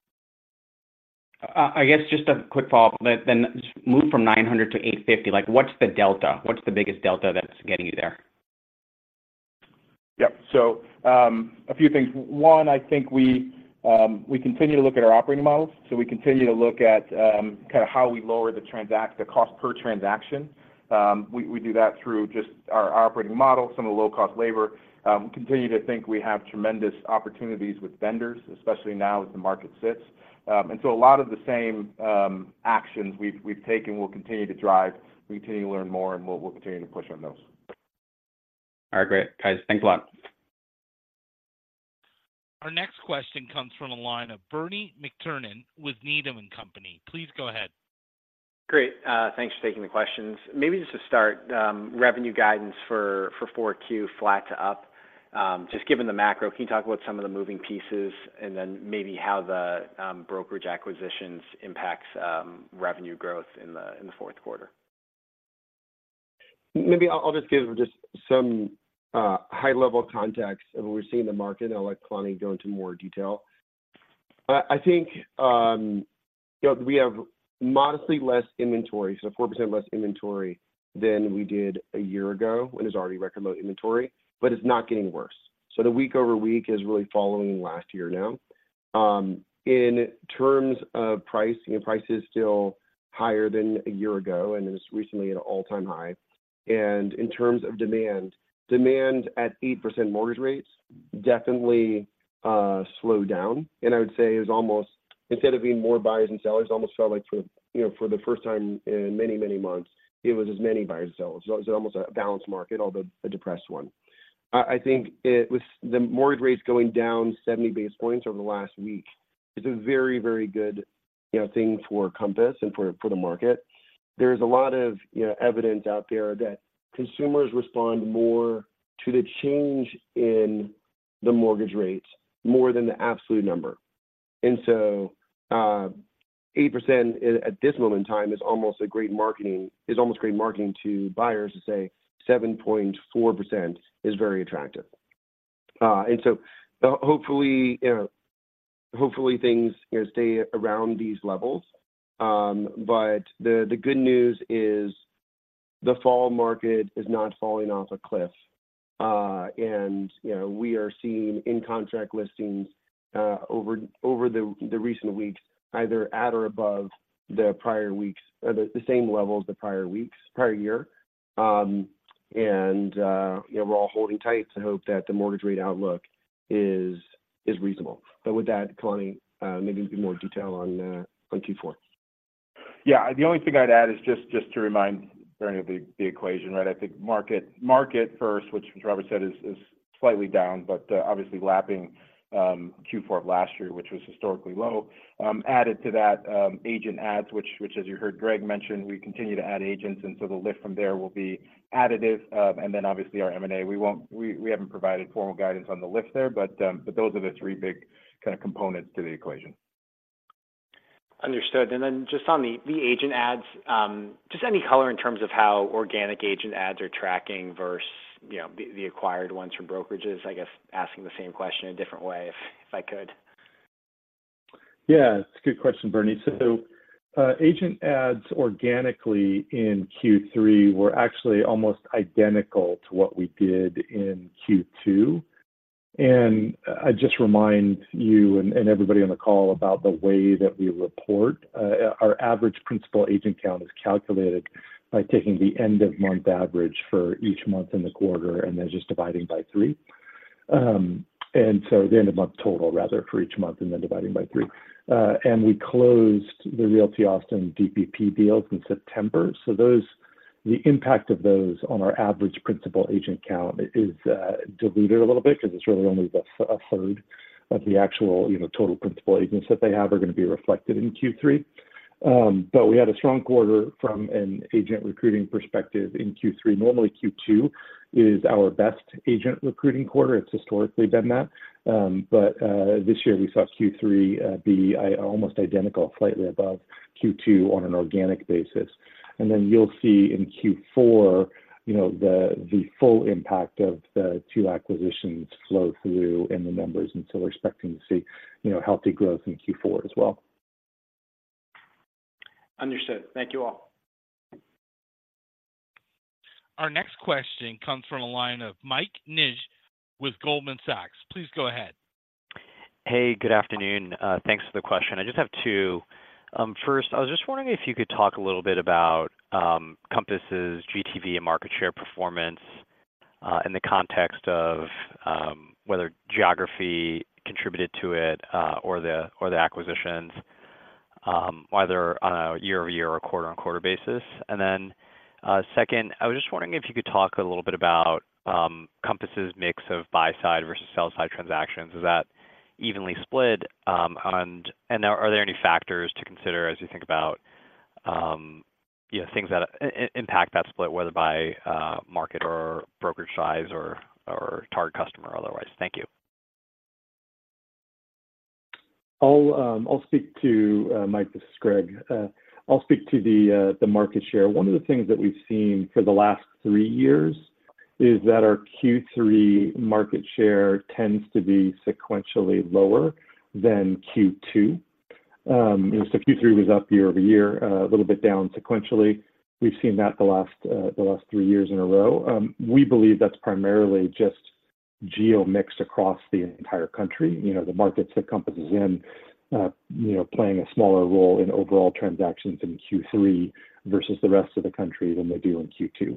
I guess just a quick follow-up, but then move from 900 to 850. Like, what's the delta? What's the biggest delta that's getting you there? Yeah. So, a few things. One, I think we, we continue to look at our operating models, so we continue to look at, kind of how we lower the cost per transaction. We, we do that through just our operating model, some of the low-cost labor. We continue to think we have tremendous opportunities with vendors, especially now as the market sits. And so a lot of the same, actions we've, we've taken will continue to drive, we continue to learn more, and we'll, we'll continue to push on those. All right, great. Guys, thanks a lot. Our next question comes from the line of Bernie McTernan with Needham & Company. Please go ahead. Great. Thanks for taking the questions. Maybe just to start, revenue guidance for Q4, flat to up. Just given the macro, can you talk about some of the moving pieces, and then maybe how the brokerage acquisitions impacts revenue growth in the Q4? Maybe I'll just give some high-level context of what we're seeing in the market, and I'll let Kalani go into more detail. I think, you know, we have modestly less inventory, so 4% less inventory than we did a year ago, and it's already record low inventory, but it's not getting worse. So the week over week is really following last year now. In terms of pricing, price is still higher than a year ago, and it's recently at an all-time high. And in terms of demand, demand at 8% mortgage rates definitely slowed down, and I would say it was almost, instead of being more buyers than sellers, it almost felt like for, you know, for the first time in many, many months, it was as many buyers and sellers. It was almost a balanced market, although a depressed one. I think it with the mortgage rates going down 70 basis points over the last week, it's a very, very good, you know, thing for Compass and for, for the market. There's a lot of, you know, evidence out there that consumers respond more to the change in the mortgage rates more than the absolute number. And so, 8% at, at this moment in time is almost great marketing is almost great marketing to buyers to say 7.4% is very attractive. And so, hopefully, you know, hopefully things, you know, stay around these levels. But the, the good news is the fall market is not falling off a cliff. And, you know, we are seeing in-contract listings over the recent weeks, either at or above the prior weeks or the same level as the prior year. And, you know, we're all holding tight to hope that the mortgage rate outlook is reasonable. But with that, Connie, maybe a bit more detail on Q4. Yeah. The only thing I'd add is just to remind, Bernie, of the equation, right? I think market first, which Robert said is slightly down, but obviously lapping Q4 of last year, which was historically low. Added to that, agent adds, which as you heard Greg mention, we continue to add agents, and so the lift from there will be additive. And then obviously our M&A, we haven't provided formal guidance on the lift there, but those are the three big kinda components to the equation. Understood. And then just on the agent adds, just any color in terms of how organic agent adds are tracking versus, you know, the acquired ones from brokerages? I guess asking the same question a different way, if I could. Yeah, it's a good question, Bernie. So, agent adds organically in Q3 were actually almost identical to what we did in Q2. And, I just remind you and, and everybody on the call about the way that we report. Our average principal agent count is calculated by taking the end-of-month average for each month in the quarter, and then just dividing by three. And so the end-of-month total, rather, for each month, and then dividing by three. And we closed the Realty Austin DPP deals in September, so those, the impact of those on our average principal agent count is, diluted a little bit because it's really only about a third of the actual, you know, total principal agents that they have are gonna be reflected in Q3. But we had a strong quarter from an agent recruiting perspective in Q3. Normally, Q2 is our best agent recruiting quarter. It's historically been that. But this year we saw Q3 be almost identical, slightly above Q2 on an organic basis. And then you'll see in Q4, you know, the full impact of the two acquisitions flow through in the numbers, and so we're expecting to see, you know, healthy growth in Q4 as well. Understood. Thank you, all. Our next question comes from the line of Mike Ng with Goldman Sachs. Please go ahead. Hey, good afternoon. Thanks for the question. I just have two. First, I was just wondering if you could talk a little bit about, Compass' GTV and market share performance, in the context of, whether geography contributed to it, or the, or the acquisitions, whether on a year-over-year or quarter-on-quarter basis. And then, second, I was just wondering if you could talk a little bit about, Compass' mix of buy-side versus sell-side transactions. Is that evenly split? And, and are there any factors to consider as you think about, you know, things that impact that split, whether by, market or broker size or, or target customer or otherwise? Thank you. I'll speak to Mike. This is Greg. I'll speak to the market share. One of the things that we've seen for the last three years is that our Q3 market share tends to be sequentially lower than Q2. So Q3 was up year-over-year, a little bit down sequentially. We've seen that the last three years in a row. We believe that's primarily just geographic mix across the entire country. You know, the markets that Compass is in, you know, playing a smaller role in overall transactions in Q3 versus the rest of the country than they do in Q2.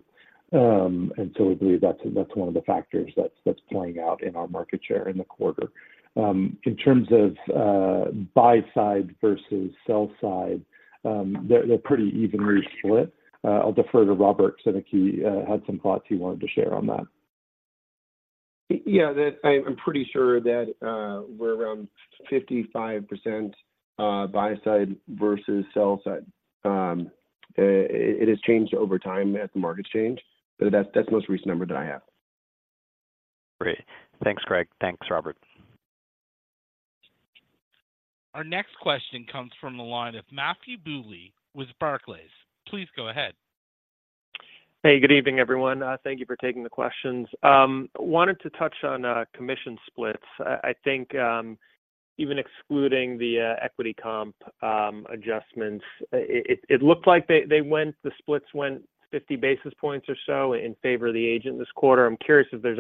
And so we believe that's one of the factors that's playing out in our market share in the quarter. In terms of buy-side versus sell-side, they're pretty evenly split. I'll defer to Robert, since I think he had some thoughts he wanted to share on that. Yeah, I'm pretty sure that we're around 55%, buy-side versus sell-side. It has changed over time as the markets change, but that's the most recent number that I have. Great. Thanks, Greg. Thanks, Robert. Our next question comes from the line of Matthew Bouley with Barclays. Please go ahead. Hey, good evening, everyone. Thank you for taking the questions. Wanted to touch on commission splits. I think, even excluding the equity comp adjustments, it looked like they went—the splits went 50 basis points or so in favor of the agent this quarter. I'm curious if there's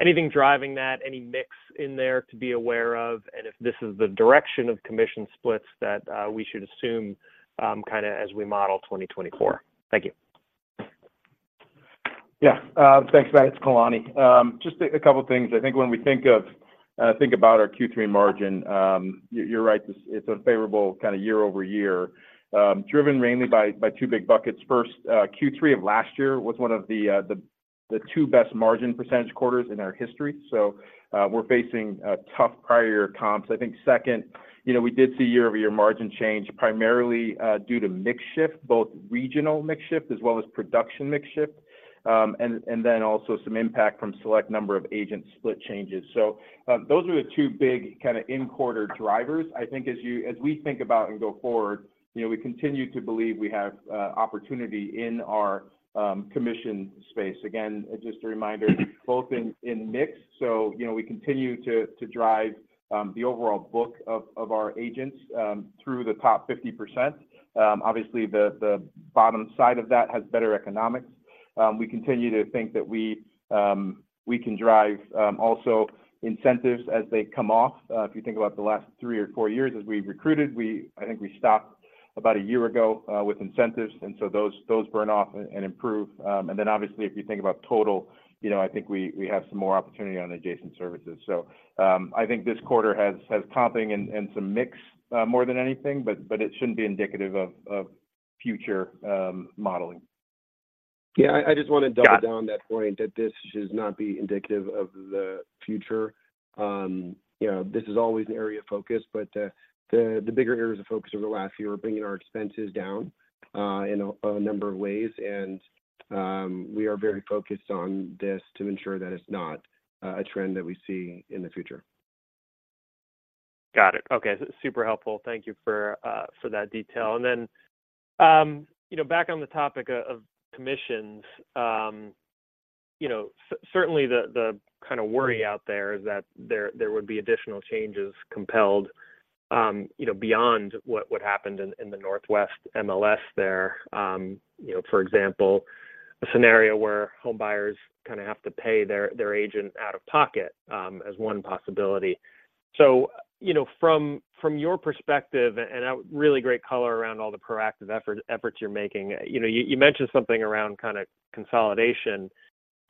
anything driving that, any mix in there to be aware of, and if this is the direction of commission splits that we should assume kinda as we model 2024? Thank you.... Yeah, thanks, Matt. It's Kalani. Just a couple of things. I think when we think about our Q3 margin, you're right, this—it's unfavorable kinda year-over-year, driven mainly by two big buckets. First, Q3 of last year was one of the two best margin percentage quarters in our history, so we're facing a tough prior year comps. I think second, you know, we did see year-over-year margin change, primarily due to mix shift, both regional mix shift as well as production mix shift, and then also some impact from select number of agent split changes. So, those are the two big kinda in-quarter drivers. I think as we think about and go forward, you know, we continue to believe we have opportunity in our commission space. Again, just a reminder, both in mix. So, you know, we continue to drive the overall book of our agents through the top 50%. Obviously, the bottom side of that has better economics. We continue to think that we can drive also incentives as they come off. If you think about the last three or four years as we recruited, we, I think we stopped about a year ago with incentives, and so those burn off and improve. And then obviusly, if you think about total, you know, I think we have some more opportunity on adjacent services. I think this quarter has topping and some mix more than anything, but it shouldn't be indicative of future modeling. Yeah, I just wanna double- Yeah down on that point, that this should not be indicative of the future. You know, this is always an area of focus, but the bigger areas of focus over the last year were bringing our expenses down in a number of ways. And we are very focused on this to ensure that it's not a trend that we see in the future. Got it. Okay. Super helpful. Thank you for that detail. And then, you know, back on the topic of commissions, you know, certainly, the kind of worry out there is that there would be additional changes compelled, you know, beyond what happened in the Northwest MLS there. You know, for example, a scenario where home buyers kinda have to pay their agent out of pocket, as one possibility. So, you know, from your perspective, and a really great color around all the proactive efforts you're making, you know, you mentioned something around kinda consolidation.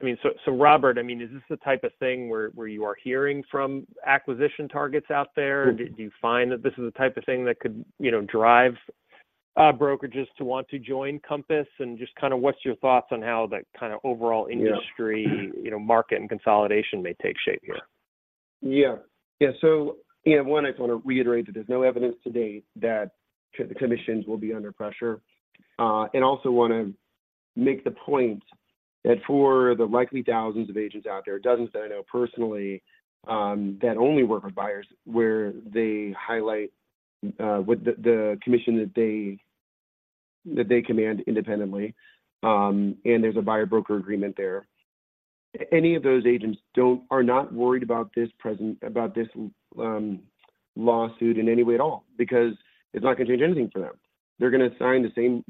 I mean, so Robert, I mean, is this the type of thing where you are hearing from acquisition targets out there? Mm-hmm. Do you find that this is the type of thing that could, you know, drive brokerages to want to join Compass? And just kinda what's your thoughts on how that kinda overall- Yeah industry, you know, market and consolidation may take shape here? Yeah. Yeah, so, you know, one, I just wanna reiterate that there's no evidence to date that co-commissions will be under pressure. And also wanna make the point that for the likely thousands of agents out there, dozens that I know personally, that only work with buyers, where they highlight with the commission that they command independently, and there's a buyer-broker agreement there. Any of those agents are not worried about this lawsuit in any way at all, because it's not gonna change anything for them. They're gonna sign the same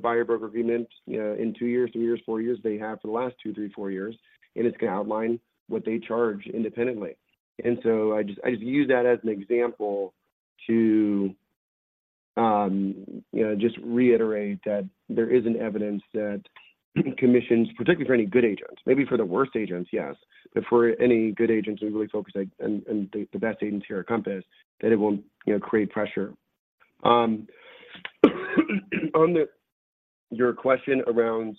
buyer-broker agreement in two years, three years, four years, they have for the last two, three, four years, and it's gonna outline what they charge independently. So I just use that as an example to, you know, just reiterate that there isn't evidence that commissions, particularly for any good agents, maybe for the worst agents, yes, but for any good agents who really focus and the best agents here at Compass, that it won't, you know, create pressure. On your question around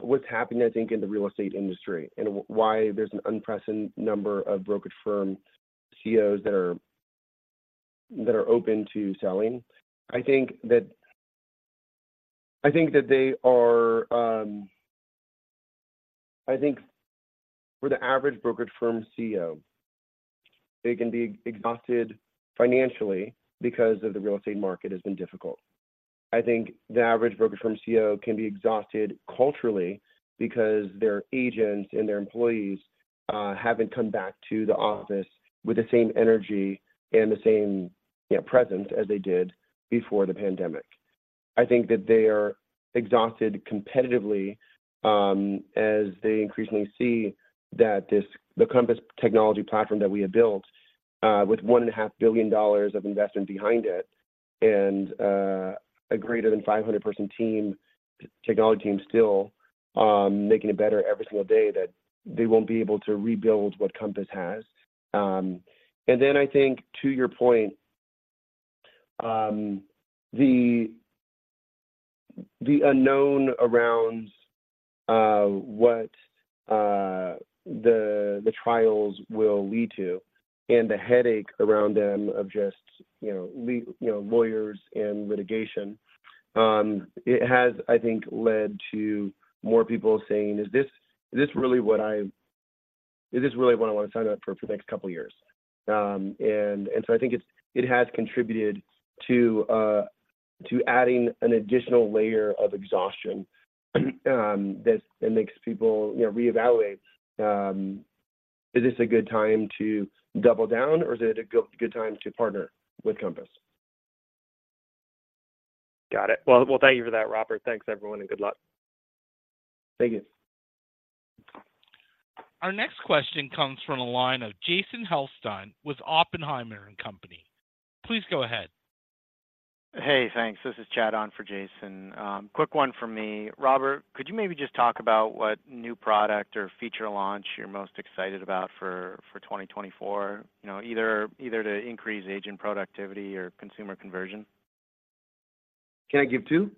what's happening, I think, in the real estate industry and why there's an unprecedented number of brokerage firm CEOs that are open to selling, I think that. I think that they are. I think for the average brokerage firm CEO, they can be exhausted financially because of the real estate market has been difficult. I think the average brokerage firm CEO can be exhausted culturally because their agents and their employees haven't come back to the office with the same energy and the same, you know, presence as they did before the pandemic. I think that they are exhausted competitively, as they increasingly see that this, the Compass technology platform that we have built, with $1.5 billion of investment behind it, and a greater than 500-person technology team, still making it better every single day, that they won't be able to rebuild what Compass has. And then I think to your point, the unknown around what the trials will lead to and the headache around them of just, you know, lawyers and litigation, it has, I think, led to more people saying, "Is this really what I... Is this really what I wanna sign up for, for the next couple of years?" And so I think it has contributed to adding an additional layer of exhaustion that makes people, you know, reevaluate, "Is this a good time to double down, or is it a good time to partner with Compass? Got it. Well, well, thank you for that, Robert. Thanks, everyone, and good luck. Thank you.... Our next question comes from the line of Jason Helfstein with Oppenheimer & Co. Please go ahead. Hey, thanks. This is Chad on for Jason. Quick one from me. Robert, could you maybe just talk about what new product or feature launch you're most excited about for 2024? You know, either to increase agent productivity or consumer conversion. Can I give two?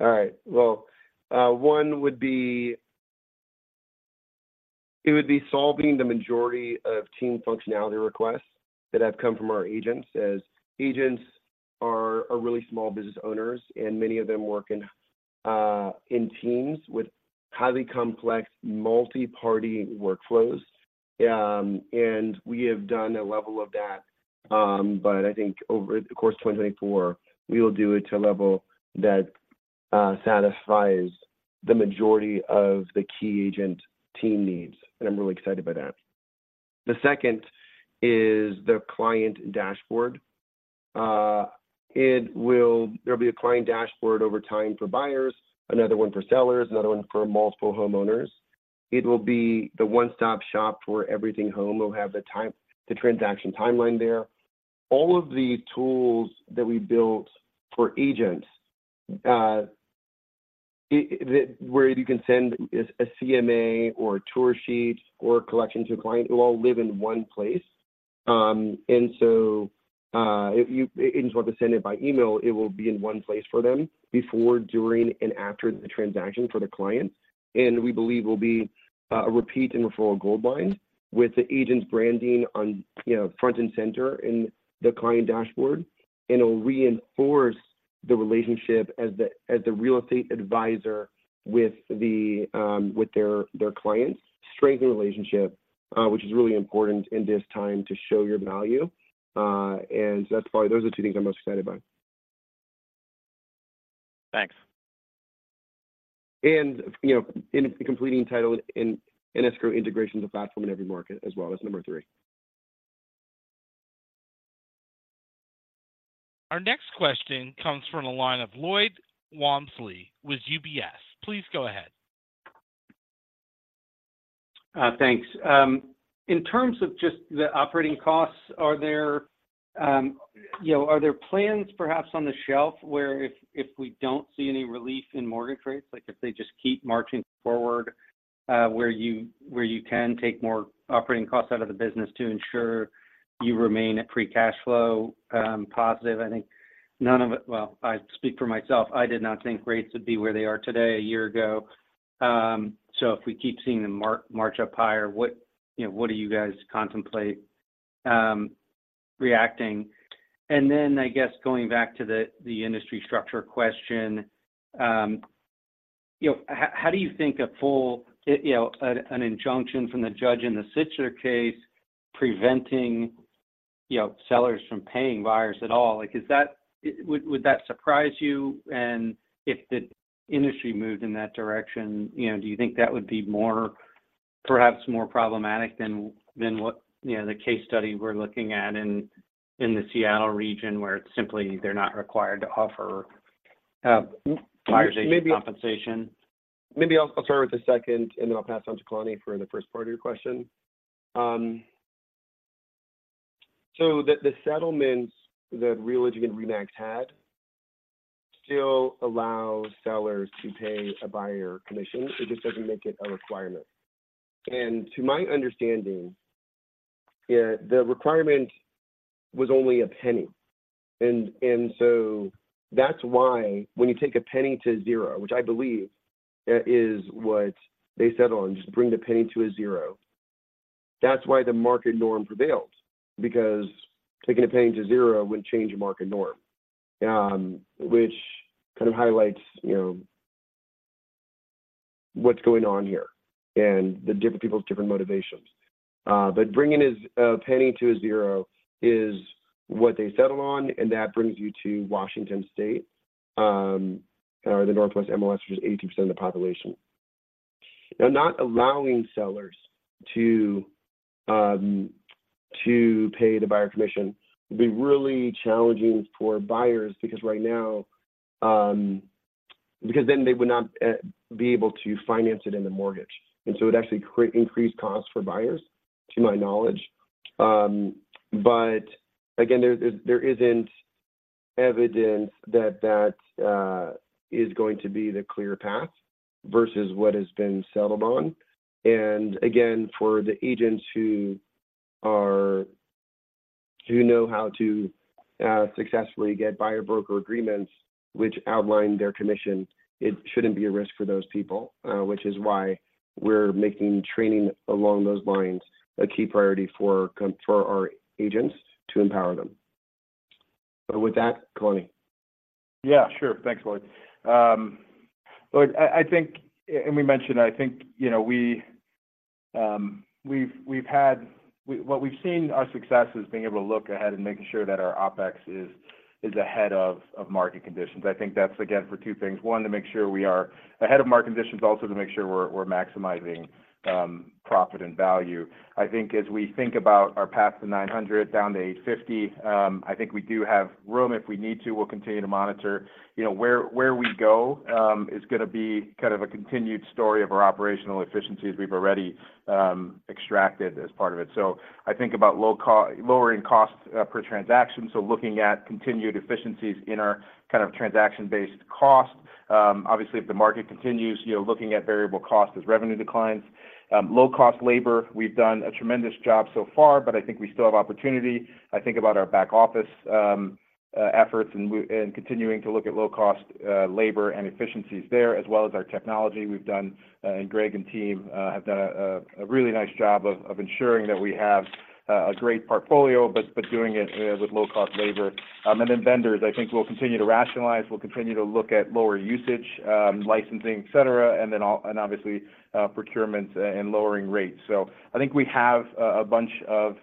All right. Well, one would be... It would be solving the majority of team functionality requests that have come from our agents, as agents are really small business owners, and many of them work in teams with highly complex multi-party workflows. And we have done a level of that, but I think over the course of 2024, we will do it to a level that satisfies the majority of the key agent team needs, and I'm really excited by that. The second is the Client Dashboard. It will. There'll be a Client Dashboard over time for buyers, another one for sellers, another one for multiple homeowners. It will be the one-stop shop for everything home. It will have the time, the transaction timeline there. All of the tools that we built for agents, that, where you can send a CMA or a tour sheet or collection to a client, it will all live in one place. And so, if agents want to send it by email, it will be in one place for them before, during, and after the transaction for the client. And we believe will be a repeat and referral goldmine with the agent's branding on, you know, front and center in the Client Dashboard. And it'll reinforce the relationship as the real estate advisor with their clients, strengthen the relationship, which is really important in this time to show your value. And that's probably those are the two things I'm most excited about. Thanks. You know, completing title and escrow integration of the platform in every market as well as number three. Our next question comes from the line of Lloyd Walmsley with UBS. Please go ahead. Thanks. In terms of just the operating costs, are there, you know, are there plans perhaps on the shelf where if we don't see any relief in mortgage rates, like if they just keep marching forward, where you can take more operating costs out of the business to ensure you remain at free cash flow positive? I think none of it... Well, I speak for myself. I did not think rates would be where they are today a year ago. So if we keep seeing them march up higher, what, you know, what do you guys contemplate reacting? And then, I guess going back to the industry structure question, you know, how do you think a full, you know, an injunction from the judge in the Sitzer case preventing, you know, sellers from paying buyers at all? Like, is that would, would that surprise you? And if the industry moved in that direction, you know, do you think that would be more, perhaps more problematic than what, you know, the case study we're looking at in the Seattle region, where it's simply they're not required to offer buyer agent compensation? Maybe I'll, I'll start with the second, and then I'll pass it on to Kalani for the first part of your question. So the settlements that Realogy and RE/MAX had still allow sellers to pay a buyer commission. It just doesn't make it a requirement. And to my understanding, yeah, the requirement was only a penny. And so that's why when you take a penny to zero, which I believe is what they settled on, just bring the penny to a zero. That's why the market norm prevailed, because taking a penny to zero wouldn't change a market norm. Which kind of highlights, you know, what's going on here and the different people's different motivations. But bringing a penny to a zero is what they settled on, and that brings you to Washington State, or the Northwest MLS, which is 80% of the population. Now, not allowing sellers to pay the buyer commission would be really challenging for buyers, because right now, because then they would not be able to finance it in the mortgage, and so it would actually create increased costs for buyers, to my knowledge. But again, there isn't evidence that that is going to be the clear path versus what has been settled on. Again, for the agents who know how to successfully get buyer broker agreements, which outline their commission, it shouldn't be a risk for those people, which is why we're making training along those lines a key priority for our agents to empower them. But with that, Kalani. Yeah, sure. Thanks, Lloyd. Look, I think, and we mentioned, I think, you know, we-... We've had what we've seen our success is being able to look ahead and making sure that our OpEx is ahead of market conditions. I think that's, again, for two things. One, to make sure we are ahead of market conditions, also to make sure we're maximizing profit and value. I think as we think about our path to $900 down to $850, I think we do have room if we need to. We'll continue to monitor. You know, where we go is gonna be kind of a continued story of our operational efficiencies we've already extracted as part of it. So I think about lowering costs per transaction, so looking at continued efficiencies in our kind of transaction-based costs. Obviously, if the market continues, you're looking at variable costs as revenue declines. Low-cost labor, we've done a tremendous job so far, but I think we still have opportunity. I think about our back office efforts and continuing to look at low-cost labor and efficiencies there, as well as our technology. We've done, and Greg and team have done a really nice job of ensuring that we have a great portfolio, but doing it with low-cost labor. And then vendors, I think we'll continue to rationalize, we'll continue to look at lower usage, licensing, et cetera, and then and obviously procurements and lowering rates. So I think we have a bunch of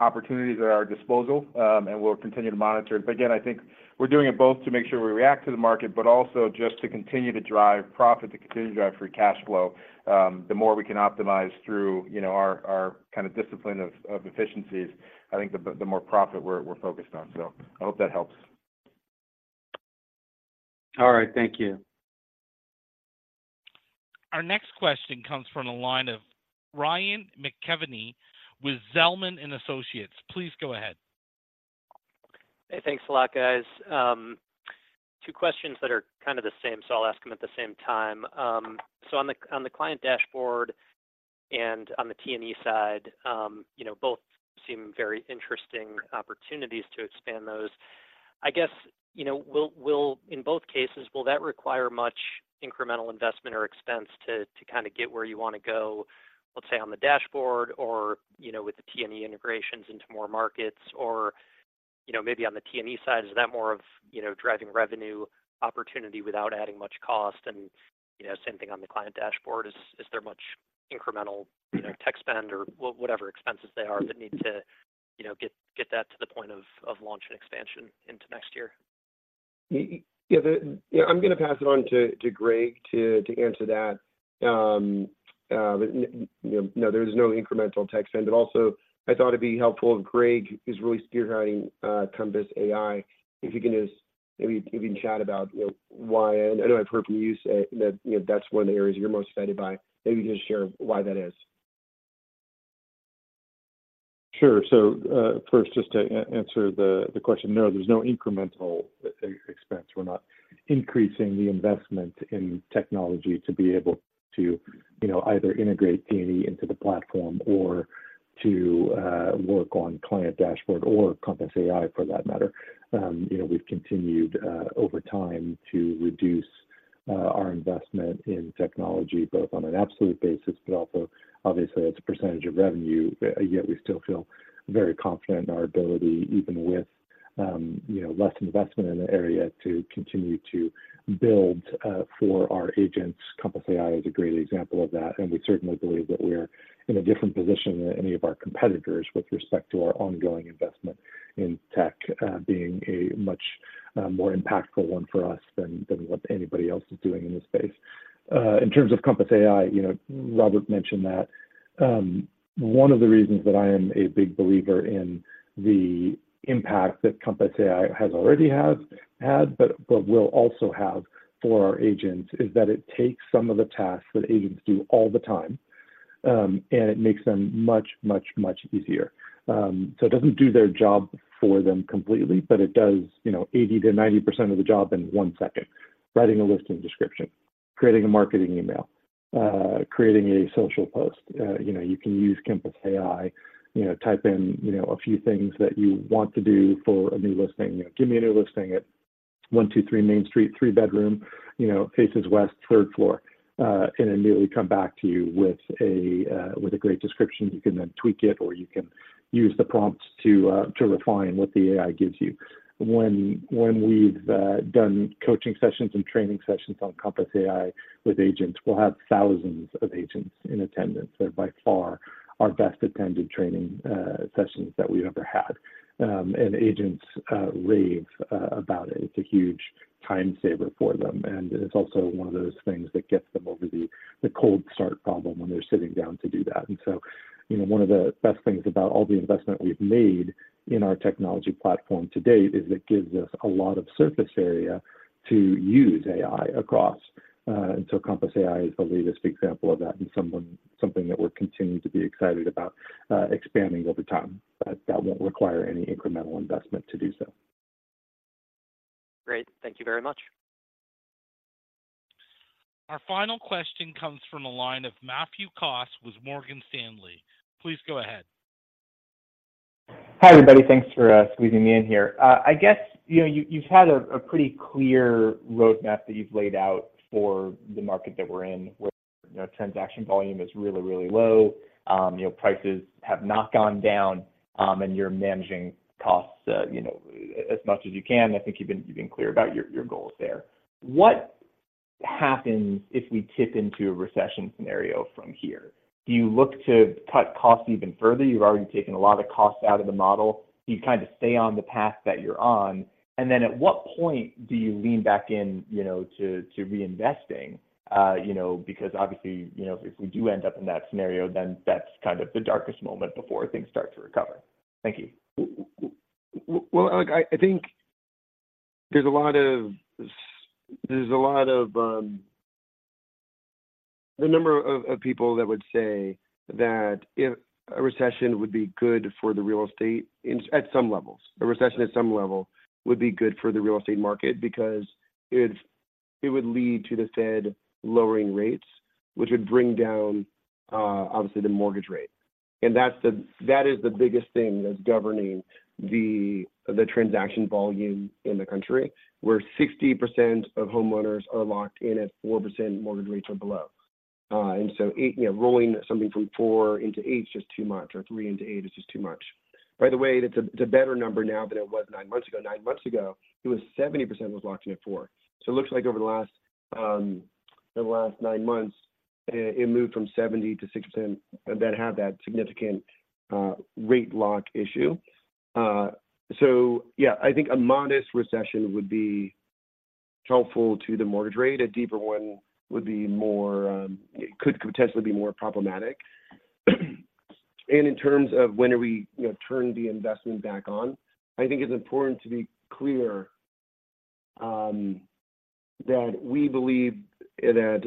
opportunities at our disposal, and we'll continue to monitor. But again, I think we're doing it both to make sure we react to the market, but also just to continue to drive profit, to continue to drive free cash flow. The more we can optimize through, you know, our kind of discipline of efficiencies, I think the more profit we're focused on. So I hope that helps. All right, thank you. Our next question comes from the line of Ryan McKeveney with Zelman & Associates. Please go ahead. Hey, thanks a lot, guys. Two questions that are kind of the same, so I'll ask them at the same time. So on the Client Dashboard and on the T&E side, you know, both seem very interesting opportunities to expand those. I guess, you know, will that require much incremental investment or expense to kind of get where you want to go, let's say, on the dashboard or, you know, with the T&E integrations into more markets? Or, you know, maybe on the T&E side, is that more of driving revenue opportunity without adding much cost? And, you know, same thing on the Client Dashboard. Is there much incremental, you know, tech spend or whatever expenses they are that need to, you know, get that to the point of launch and expansion into next year? Yeah, I'm gonna pass it on to Greg to answer that. You know, no, there is no incremental tech spend, but also I thought it'd be helpful. Greg is really spearheading Compass AI. If you can just maybe chat about, you know, why—I know I've heard from you say that, you know, that's one of the areas you're most excited by. Maybe just share why that is. Sure. So, first, just to answer the question: No, there's no incremental expense. We're not increasing the investment in technology to be able to, you know, either integrate T&E into the platform or to work on client dashboard or Compass AI, for that matter. You know, we've continued over time to reduce our investment in technology, both on an absolute basis, but also obviously as a percentage of revenue. Yet we still feel very confident in our ability, even with, you know, less investment in the area, to continue to build for our agents. Compass AI is a great example of that, and we certainly believe that we're in a different position than any of our competitors with respect to our ongoing investment in tech, being a much more impactful one for us than what anybody else is doing in this space. In terms of Compass AI, you know, Robert mentioned that one of the reasons that I am a big believer in the impact that Compass AI has already had, but will also have for our agents, is that it takes some of the tasks that agents do all the time, and it makes them much, much, much easier. So it doesn't do their job for them completely, but it does, you know, 80%-90% of the job in one second. Writing a listing description, creating a marketing email, creating a social post. You know, you can use Compass AI, you know, type in, you know, a few things that you want to do for a new listing. You know, give me a new listing at 123 Main Street, 3-bedroom, you know, faces west, third floor, and it immediately come back to you with a great description. You can then tweak it, or you can use the prompts to refine what the AI gives you. When we've done coaching sessions and training sessions on Compass AI with agents, we'll have thousands of agents in attendance. They're by far our best-attended training sessions that we've ever had. And agents rave about it. It's a huge time saver for them, and it's also one of those things that gets them over the cold start problem when they're sitting down to do that. And so, you know, one of the best things about all the investment we've made in our technology platform to date is it gives us a lot of surface area to use AI across, and so Compass AI is the latest example of that and something that we're continuing to be excited about, expanding over time. But that won't require any incremental investment to do so. Great. Thank you very much. Our final question comes from the line of Matthew Cost with Morgan Stanley. Please go ahead. Hi, everybody. Thanks for squeezing me in here. I guess, you know, you've had a pretty clear roadmap that you've laid out for the market that we're in, where, you know, transaction volume is really, really low, you know, prices have not gone down, and you're managing costs, you know, as much as you can. I think you've been clear about your goals there. What happens if we tip into a recession scenario from here? Do you look to cut costs even further? You've already taken a lot of costs out of the model. Do you kind of stay on the path that you're on? And then at what point do you lean back in, you know, to reinvesting? You know, because obviously, you know, if we do end up in that scenario, then that's kind of the darkest moment before things start to recover. Thank you. Well, look, I think there's a lot of the number of people that would say that if a recession would be good for the real estate in at some levels. A recession at some level would be good for the real estate market because it would lead to the Fed lowering rates, which would bring down obviously the mortgage rate. And that's that is the biggest thing that's governing the transaction volume in the country, where 60% of homeowners are locked in at 4% mortgage rates or below. And so, 8%, you know, rolling something from 4% into 8% is just too much, or 3% into 8% is just too much. By the way, that's it's a better number now than it was 9 months ago. Nine months ago, it was 70% that was locked in at 4. So it looks like over the last, the last nine months, it moved from 70% to 60% that have that significant rate lock issue. So yeah, I think a modest recession would be helpful to the mortgage rate. A deeper one would be more... it could potentially be more problematic. In terms of when are we, you know, turn the investment back on, I think it's important to be clear, that we believe that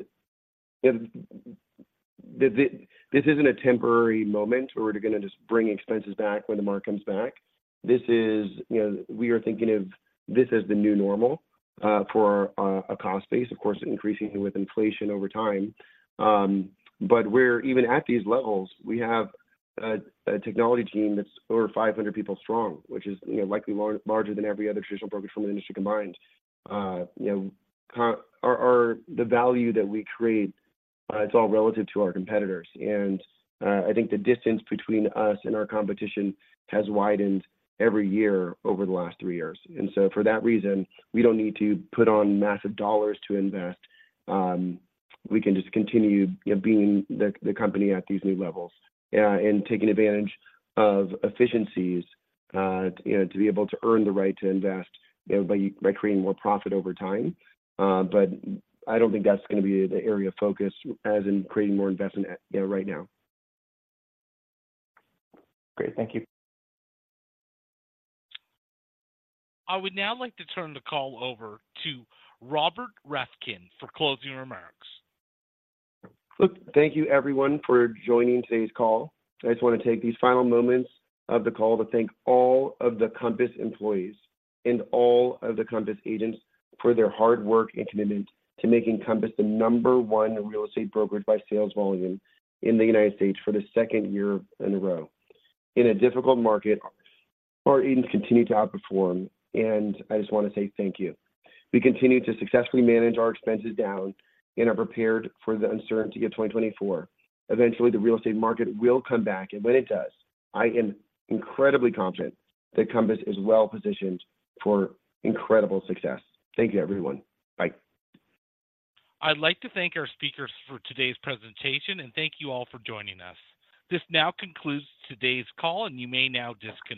this, this isn't a temporary moment where we're gonna just bring expenses back when the market comes back. This is, you know, we are thinking of this as the new normal, for our, a cost base, of course, increasing with inflation over time. But we're even at these levels, we have a technology team that's over 500 people strong, which is, you know, likely larger than every other traditional broker from the industry combined. You know, the value that we create, it's all relative to our competitors. And I think the distance between us and our competition has widened every year over the last three years. And so for that reason, we don't need to put on massive dollars to invest. We can just continue, you know, being the company at these new levels, and taking advantage of efficiencies, you know, to be able to earn the right to invest, you know, by creating more profit over time. But I don't think that's gonna be the area of focus, as in creating more investment right now. Great. Thank you. I would now like to turn the call over to Robert Reffkin for closing remarks. Look, thank you, everyone, for joining today's call. I just want to take these final moments of the call to thank all of the Compass employees and all of the Compass agents for their hard work and commitment to making Compass the number one real estate brokerage by sales volume in the United States for the second year in a row. In a difficult market, our agents continue to outperform, and I just want to say thank you. We continue to successfully manage our expenses down and are prepared for the uncertainty of 2024. Eventually, the real estate market will come back, and when it does, I am incredibly confident that Compass is well-positioned for incredible success. Thank you, everyone. Bye. I'd like to thank our speakers for today's presentation, and thank you all for joining us. This now concludes today's call, and you may now disconnect.